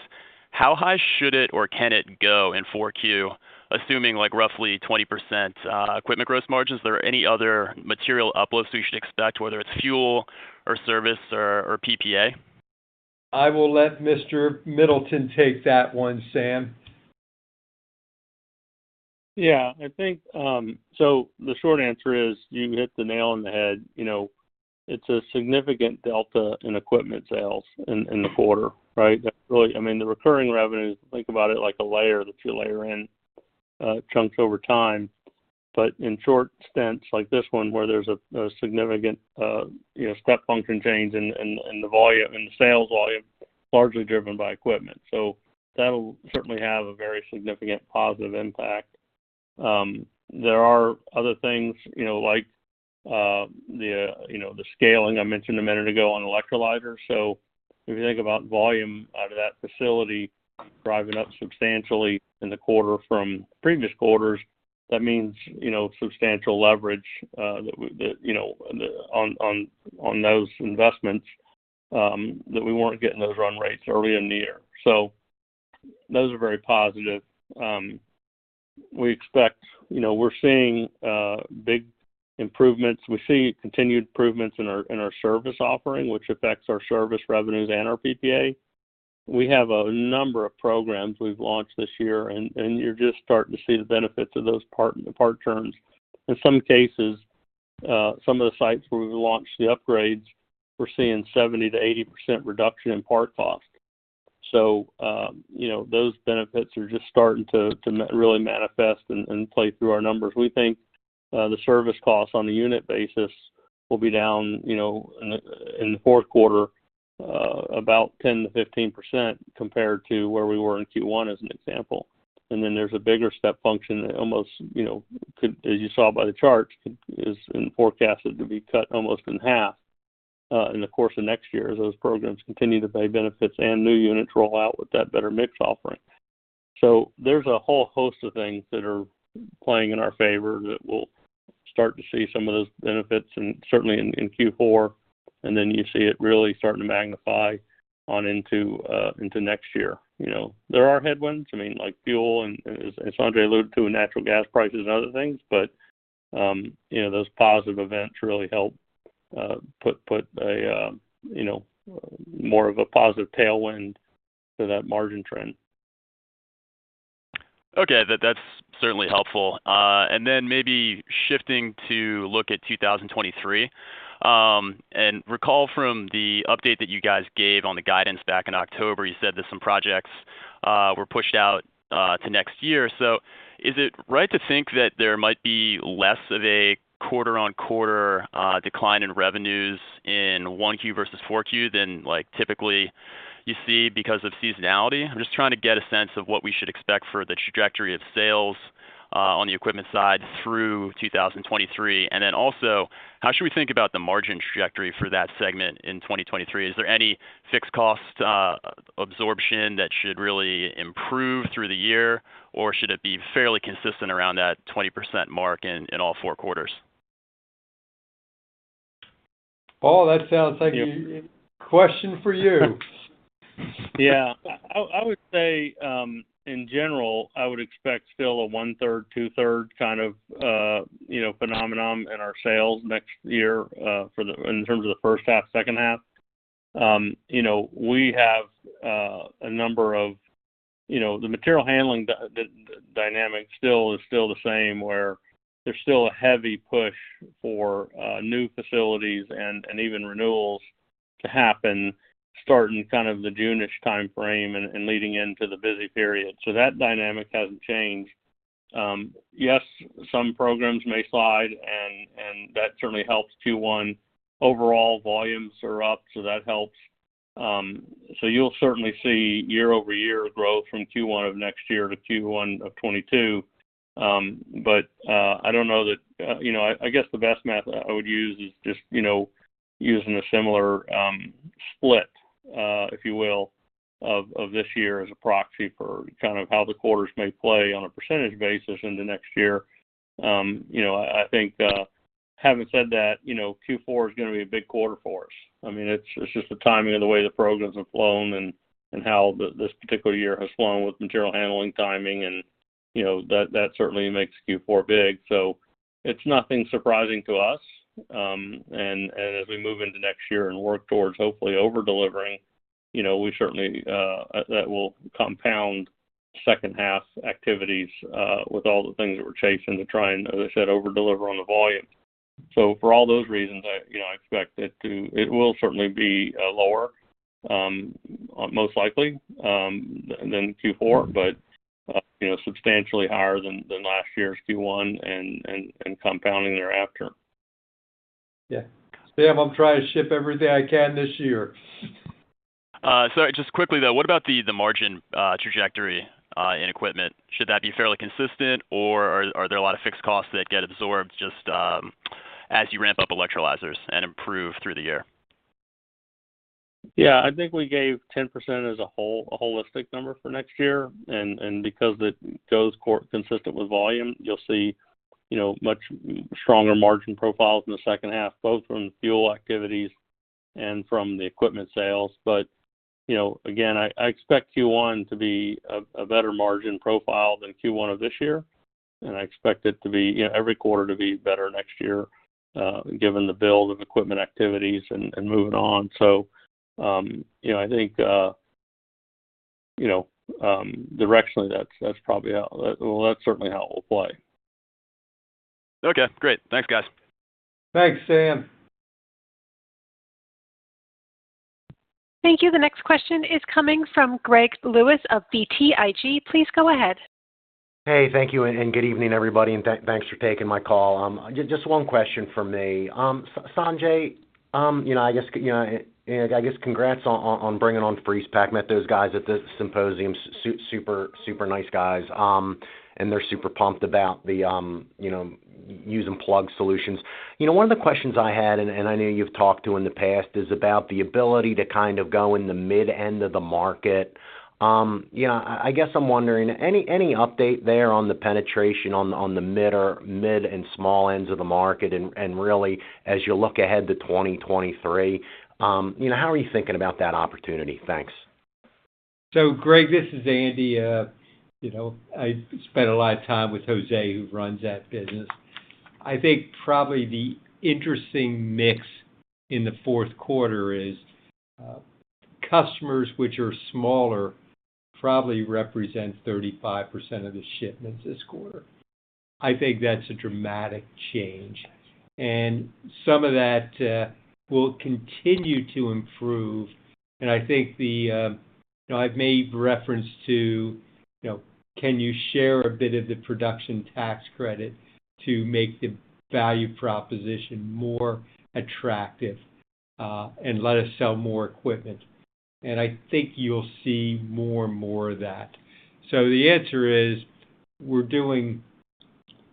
S13: how high should it or can it go in Q4, assuming like roughly 20% equipment gross margins? Are there any other material uplifts we should expect, whether it's fuel or service or PPA?
S3: I will let Mr. Middleton take that one, Sam.
S7: Yeah. I think the short answer is you hit the nail on the head. You know, it's a significant delta in equipment sales in the quarter, right? That's really, I mean, the recurring revenues, think about it like a layer that you layer in chunks over time. But in short stints like this one, where there's a significant, you know, step function change in the volume, in the sales volume, largely driven by equipment. That'll certainly have a very significant positive impact. There are other things, you know, like the scaling I mentioned a minute ago on electrolyzer. If you think about volume out of that facility driving up substantially in the quarter from previous quarters, that means substantial leverage that we weren't getting those run rates earlier in the year. Those are very positive. We expect. We're seeing big improvements. We see continued improvements in our service offering, which affects our service revenues and our PPA. We have a number of programs we've launched this year, and you're just starting to see the benefits of those parts terms. In some cases, some of the sites where we've launched the upgrades, we're seeing 70%-80% reduction in parts cost. Those benefits are just starting to really manifest and play through our numbers. We think the service costs on a unit basis will be down, you know, in the fourth quarter, about 10%-15% compared to where we were in Q1, as an example. Then there's a bigger step function that almost, you know, as you saw by the charts, is forecasted to be cut almost in half in the course of next year as those programs continue to pay benefits and new units roll out with that better mix offering. There's a whole host of things that are playing in our favor that we'll start to see some of those benefits and certainly in Q4, and then you see it really starting to magnify on into next year. You know, there are headwinds, I mean, like fuel and as Andy alluded to, natural gas prices and other things, but you know, those positive events really help put a you know, more of a positive tailwind to that margin trend.
S13: Okay. That's certainly helpful. Maybe shifting to look at 2023, recall from the update that you guys gave on the guidance back in October, you said that some projects were pushed out to next year. Is it right to think that there might be less of a quarter-on-quarter decline in revenues in Q1 versus Q4 than like typically you see because of seasonality? I'm just trying to get a sense of what we should expect for the trajectory of sales on the equipment side through 2023. How should we think about the margin trajectory for that segment in 2023? Is there any fixed cost absorption that should really improve through the year? Or should it be fairly consistent around that 20% mark in all four quarters?
S3: Paul, that sounds like a question for you.
S7: I would say, in general, I would expect still a 1/3, 2/3 kind of phenomenon in our sales next year, in terms of the first half, second half. We have a number of. The material handling dynamic still is the same, where there's still a heavy push for new facilities and even renewals to happen starting kind of the June-ish timeframe and leading into the busy period. That dynamic hasn't changed. Yes, some programs may slide and that certainly helps Q1. Overall volumes are up, so that helps. You'll certainly see year-over-year growth from Q1 of next year to Q1 of 2022. I guess the best math I would use is just, you know, using a similar split, if you will, of this year as a proxy for kind of how the quarters may play on a percentage basis into next year. You know, I think, having said that, you know, Q4 is gonna be a big quarter for us. I mean, it's just the timing of the way the programs have flown and how this particular year has flown with material handling timing and, you know, that certainly makes Q4 big. It's nothing surprising to us. As we move into next year and work towards hopefully over-delivering, you know, that will compound second half activities, with all the things that we're chasing to try and, as I said, over-deliver on the volume. For all those reasons, I, you know, I expect it to. It will certainly be lower, most likely, than Q4, but, you know, substantially higher than last year's Q1 and compounding thereafter.
S3: Yeah. Sam, I'm trying to ship everything I can this year.
S13: Just quickly though, what about the margin trajectory in equipment? Should that be fairly consistent or are there a lot of fixed costs that get absorbed just as you ramp up electrolyzers and improve through the year?
S7: Yeah. I think we gave 10% as a whole, a holistic number for next year. Because it goes consistent with volume, you'll see, you know, much stronger margin profiles in the second half, both from the fuel activities and from the equipment sales. You know, again, I expect Q1 to be a better margin profile than Q1 of this year. I expect it to be, you know, every quarter to be better next year, given the build of equipment activities and moving on. You know, I think, you know, directionally, that's probably how. Well, that's certainly how it will play.
S13: Okay, great. Thanks, guys.
S3: Thanks, Sam.
S1: Thank you. The next question is coming from Gregory Lewis of BTIG. Please go ahead.
S14: Hey, thank you, and good evening, everybody, and thanks for taking my call. Just one question from me. Sanjay, you know, I guess congrats on bringing on FreezPak. Met those guys at the symposium, super nice guys, and they're super pumped about the, you know, using Plug solutions. You know, one of the questions I had, and I know you've talked to in the past, is about the ability to kind of go in the mid end of the market. You know, I guess I'm wondering, any update there on the penetration on the mid or mid and small ends of the market? And really as you look ahead to 2023, you know, how are you thinking about that opportunity? Thanks.
S3: Greg, this is Andy. You know, I spent a lot of time with Jose Crespo, who runs that business. I think probably the interesting mix in the fourth quarter is, customers which are smaller probably represent 35% of the shipments this quarter. I think that's a dramatic change. Some of that will continue to improve. I think the, you know, I've made reference to, you know, can you share a bit of the production tax credit to make the value proposition more attractive, and let us sell more equipment. I think you'll see more and more of that. The answer is we're doing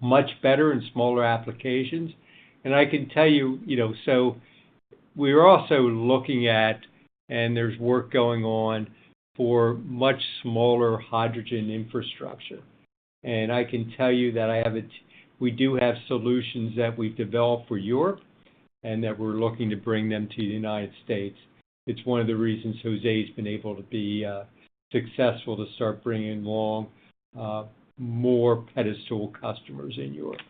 S3: much better in smaller applications. I can tell you know, we're also looking at, and there's work going on for much smaller hydrogen infrastructure. I can tell you that we do have solutions that we've developed for Europe and that we're looking to bring them to the United States. It's one of the reasons Jose's been able to be successful to start bringing along more pedestal customers in Europe.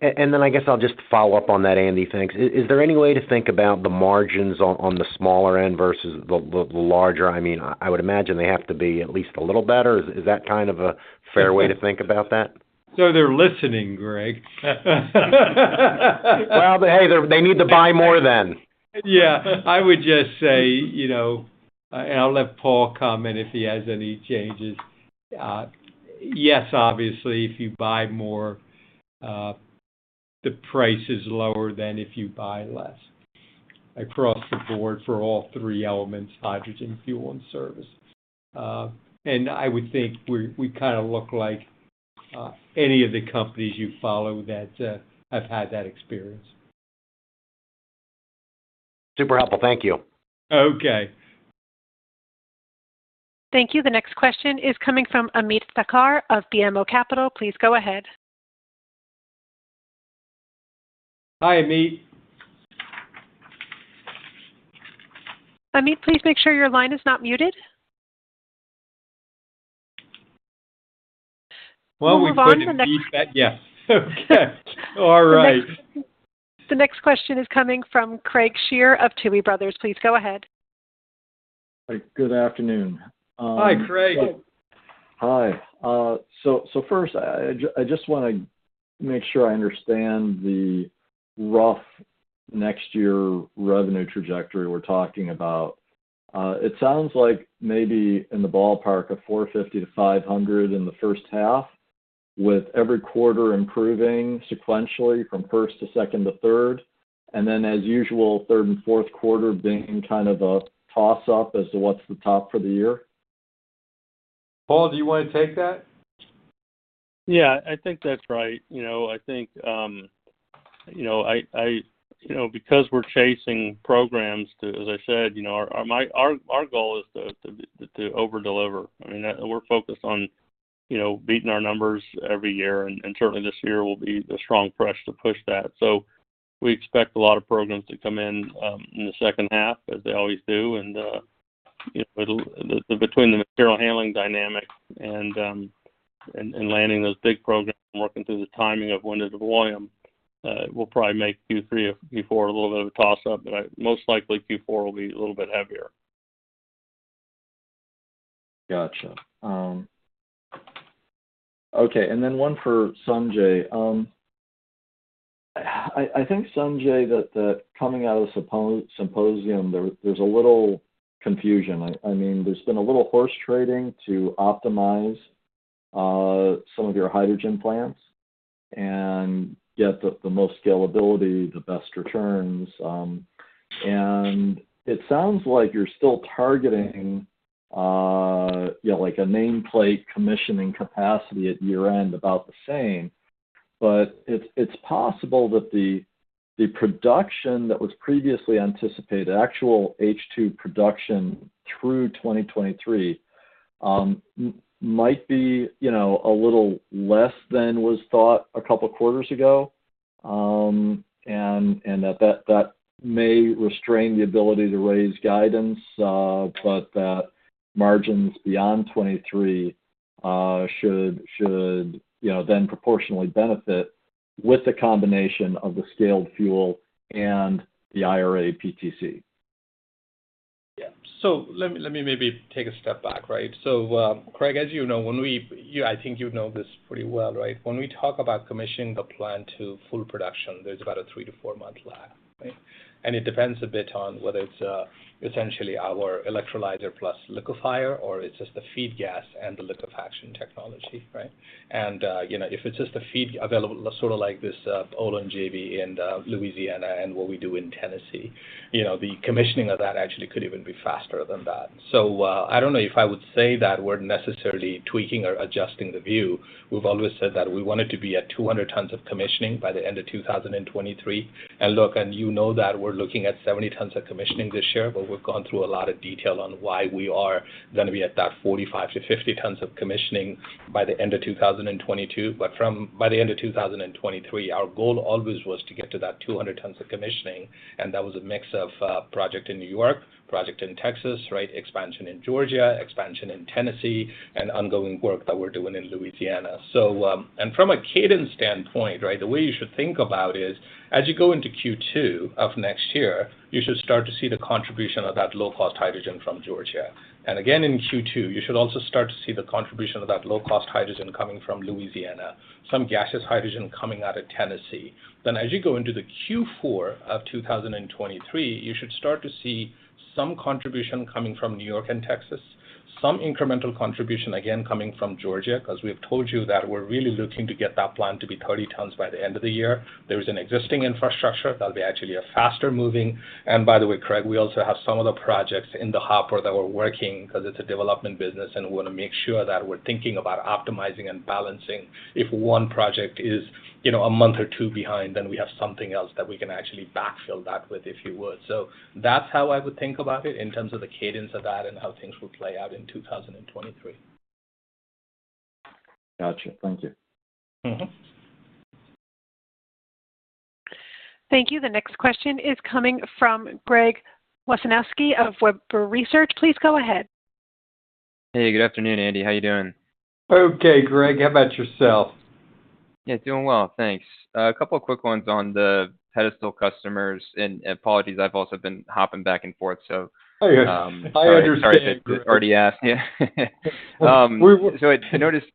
S14: Then I guess I'll just follow up on that, Andy. Thanks. Is there any way to think about the margins on the smaller end versus the larger? I mean, I would imagine they have to be at least a little better. Is that kind of a fair way to think about that?
S3: They're listening, Greg.
S14: Well, hey, they need to buy more then.
S3: Yeah. I would just say, you know, and I'll let Paul comment if he has any changes. Yes, obviously, if you buy more, the price is lower than if you buy less across the board for all three elements, hydrogen, fuel, and service. I would think we kinda look like any of the companies you follow that have had that experience.
S14: Super helpful. Thank you.
S3: Okay.
S1: Thank you. The next question is coming from Ameet Thakkar of BMO Capital. Please go ahead.
S3: Hi, Ameet.
S1: Ameet Thakkar, please make sure your line is not muted.
S3: Well, we couldn't mute that.
S1: We'll move on to the next.
S3: Yes. Okay. All right.
S1: The next question is coming from Craig Shere of Tuohy Brothers. Please go ahead.
S15: Good afternoon.
S3: Hi, Craig.
S15: Hi. First, I just wanna make sure I understand the rough next year revenue trajectory we're talking about. It sounds like maybe in the ballpark of $450-$500 in the first half, with every quarter improving sequentially from first to second to third, and then as usual, third and fourth quarter being kind of a toss-up as to what's the top for the year.
S3: Paul, do you wanna take that?
S7: Yeah. I think that's right. You know, I think you know, because we're chasing programs to, as I said, you know, our goal is to over-deliver. I mean, we're focused on you know, beating our numbers every year, and certainly this year will be the strong push to push that. We expect a lot of programs to come in in the second half, as they always do, and you know, between the material handling dynamic and landing those big programs and working through the timing of when there's volume will probably make Q3 or Q4 a little bit of a toss-up, but most likely Q4 will be a little bit heavier.
S15: Gotcha. Okay. One for Sanjay. I think, Sanjay, that the coming out of the symposium, there's a little confusion. I mean, there's been a little horse trading to optimize some of your hydrogen plants and get the most scalability, the best returns. It sounds like you're still targeting, you know, like a nameplate commissioning capacity at year-end about the same. But it's possible that the production that was previously anticipated, actual H2 production through 2023, might be, you know, a little less than was thought a couple quarters ago. That may restrain the ability to raise guidance, but the margins beyond 2023 should, you know, then proportionally benefit with the combination of the scaled fuel and the IRA PTC.
S5: Yeah. Let me maybe take a step back, right? Craig, as you know, I think you know this pretty well, right? When we talk about commissioning the plant to full production, there's about a three-four-month lag, right? It depends a bit on whether it's essentially our electrolyzer plus liquefier, or it's just the feed gas and the liquefaction technology, right? You know, if it's just the feed available, sort of like this Olin JV in Louisiana and what we do in Tennessee, the commissioning of that actually could even be faster than that. I don't know if I would say that we're necessarily tweaking or adjusting the view. We've always said that we wanted to be at 200 tons of commissioning by the end of 2023. Look, you know that we're looking at 70 tons of commissioning this year, but we've gone through a lot of detail on why we are gonna be at that 45-50 tons of commissioning by the end of 2022. By the end of 2023, our goal always was to get to that 200 tons of commissioning, and that was a mix of project in New York, project in Texas, right, expansion in Georgia, expansion in Tennessee, and ongoing work that we're doing in Louisiana. From a cadence standpoint, right, the way you should think about is, as you go into Q2 of next year, you should start to see the contribution of that low-cost hydrogen from Georgia. Again, in Q2, you should also start to see the contribution of that low-cost hydrogen coming from Louisiana, some gaseous hydrogen coming out of Tennessee. As you go into the Q4 of 2023, you should start to see some contribution coming from New York and Texas, some incremental contribution, again, coming from Georgia, 'cause we've told you that we're really looking to get that plant to be 30 tons by the end of the year. There is an existing infrastructure that'll be actually faster-moving. By the way, Craig, we also have some of the projects in the hopper that we're working, 'cause it's a development business, and we wanna make sure that we're thinking about optimizing and balancing. If one project is, you know, a month or two behind, then we have something else that we can actually backfill that with, if you would. That's how I would think about it in terms of the cadence of that and how things will play out in 2023.
S15: Gotcha. Thank you.
S5: Mm-hmm.
S1: Thank you. The next question is coming from Greg Wasikowski of Webber Research. Please go ahead.
S16: Hey, good afternoon, Andy. How you doing?
S3: Okay, Greg. How about yourself?
S16: Yeah, doing well. Thanks. A couple quick ones on the pedestal customers, and apologies, I've also been hopping back and forth, so-
S3: Oh, yeah. I understand, Greg.
S16: Sorry if it's already asked you. I noticed-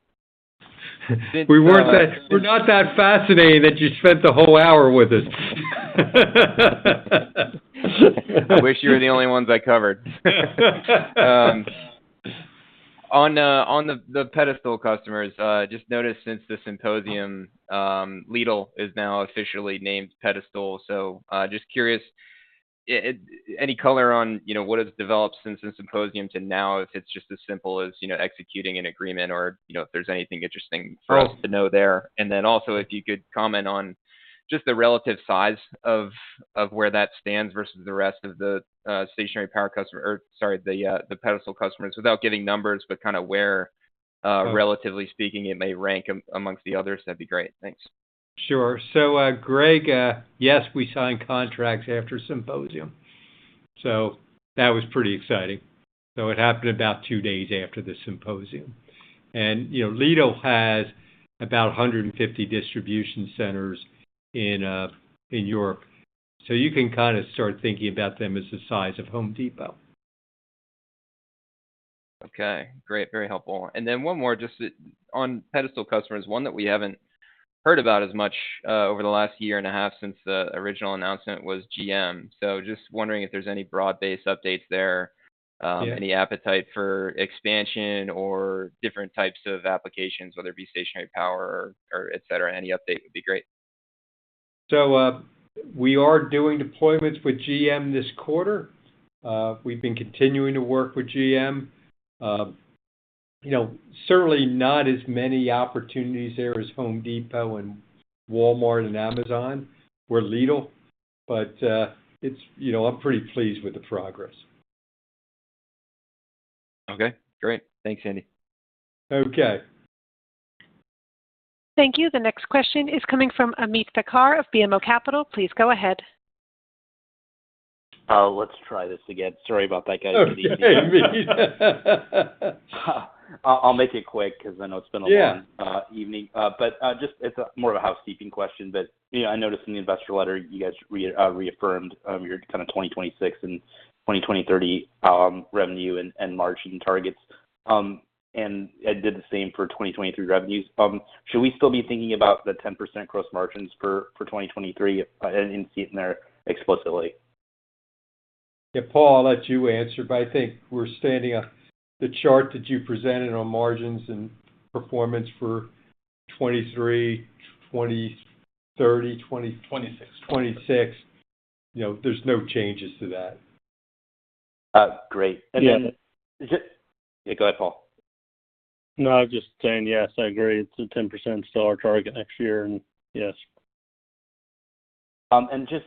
S3: We're not that fascinating that you spent the whole hour with us.
S16: I wish you were the only ones I covered. On the Pedestal customers, just noticed since the symposium, Lidl is now officially named Pedestal. Just curious, any color on, you know, what has developed since the symposium to now, if it's just as simple as, you know, executing an agreement or, you know, if there's anything interesting for us to know there. Also if you could comment on just the relative size of where that stands versus the rest of the stationary power customer or sorry, the Pedestal customers, without giving numbers, but kind of where relatively speaking it may rank among the others, that'd be great. Thanks.
S3: Sure. Greg, yes, we signed contracts after symposium, so that was pretty exciting. It happened about two days after the symposium. You know, Lidl has about 150 distribution centers in York, so you can kind of start thinking about them as the size of Home Depot.
S16: Okay, great. Very helpful. One more just on pedestal customers, one that we haven't heard about as much over the last year and a half since the original announcement was GM. Just wondering if there's any broad-based updates there?
S3: Yeah.
S16: Any appetite for expansion or different types of applications, whether it be stationary power or etc? Any update would be great.
S3: We are doing deployments with GM this quarter. We've been continuing to work with GM. You know, certainly not as many opportunities there as Home Depot and Walmart and Amazon and Lidl. You know, I'm pretty pleased with the progress.
S16: Okay, great. Thanks, Andy.
S3: Okay.
S1: Thank you. The next question is coming from Ameet Thakkar of BMO Capital Markets. Please go ahead.
S17: Oh, let's try this again. Sorry about that, guys.
S3: Okay.
S17: I'll make it quick because I know it's been a long.
S3: Yeah.
S17: Evening. Just it's more of a housekeeping question, but, you know, I noticed in the investor letter you guys reaffirmed your kind of 2026 and 2030 revenue and margin targets, and it did the same for 2023 revenues. Should we still be thinking about the 10% gross margins for 2023? I didn't see it in there explicitly.
S3: Yeah, Paul, I'll let you answer, but I think we're standing on the chart that you presented on margins and performance for 2023, 2030, 20-
S7: 2026.
S3: 2026. You know, there's no changes to that.
S17: Great.
S7: Yeah.
S17: Yeah, go ahead, Paul.
S7: No, I was just saying, yes, I agree. It's a 10% still our target next year. Yes.
S17: Just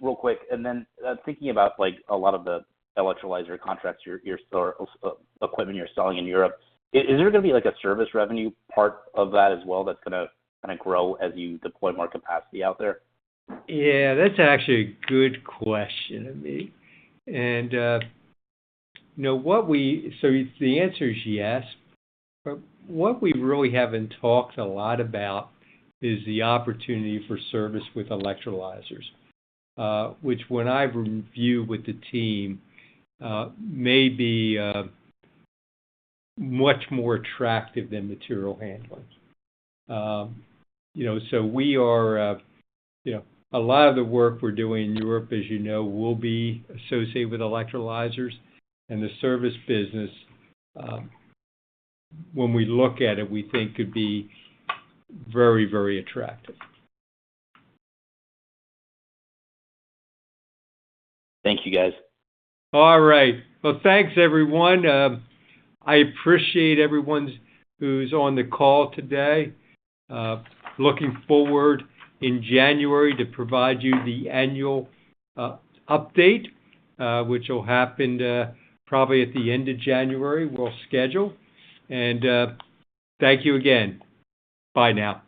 S17: real quick, and then thinking about like a lot of the electrolyzer contracts you're still equipment you're selling in Europe, is there gonna be like a service revenue part of that as well that's gonna kinda grow as you deploy more capacity out there?
S3: Yeah, that's actually a good question, Ameet. You know, so the answer is yes, but what we really haven't talked a lot about is the opportunity for service with electrolyzers, which when I review with the team, may be much more attractive than material handling. You know, a lot of the work we're doing in Europe, as you know, will be associated with electrolyzers and the service business, when we look at it, we think could be very, very attractive.
S17: Thank you, guys.
S3: All right. Well, thanks everyone. I appreciate everyone who's on the call today. Looking forward in January to provide you the annual update, which will happen probably at the end of January. We'll schedule. Thank you again. Bye now.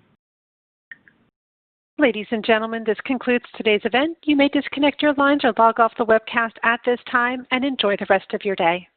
S1: Ladies and gentlemen, this concludes today's event. You may disconnect your lines or log off the webcast at this time, and enjoy the rest of your day.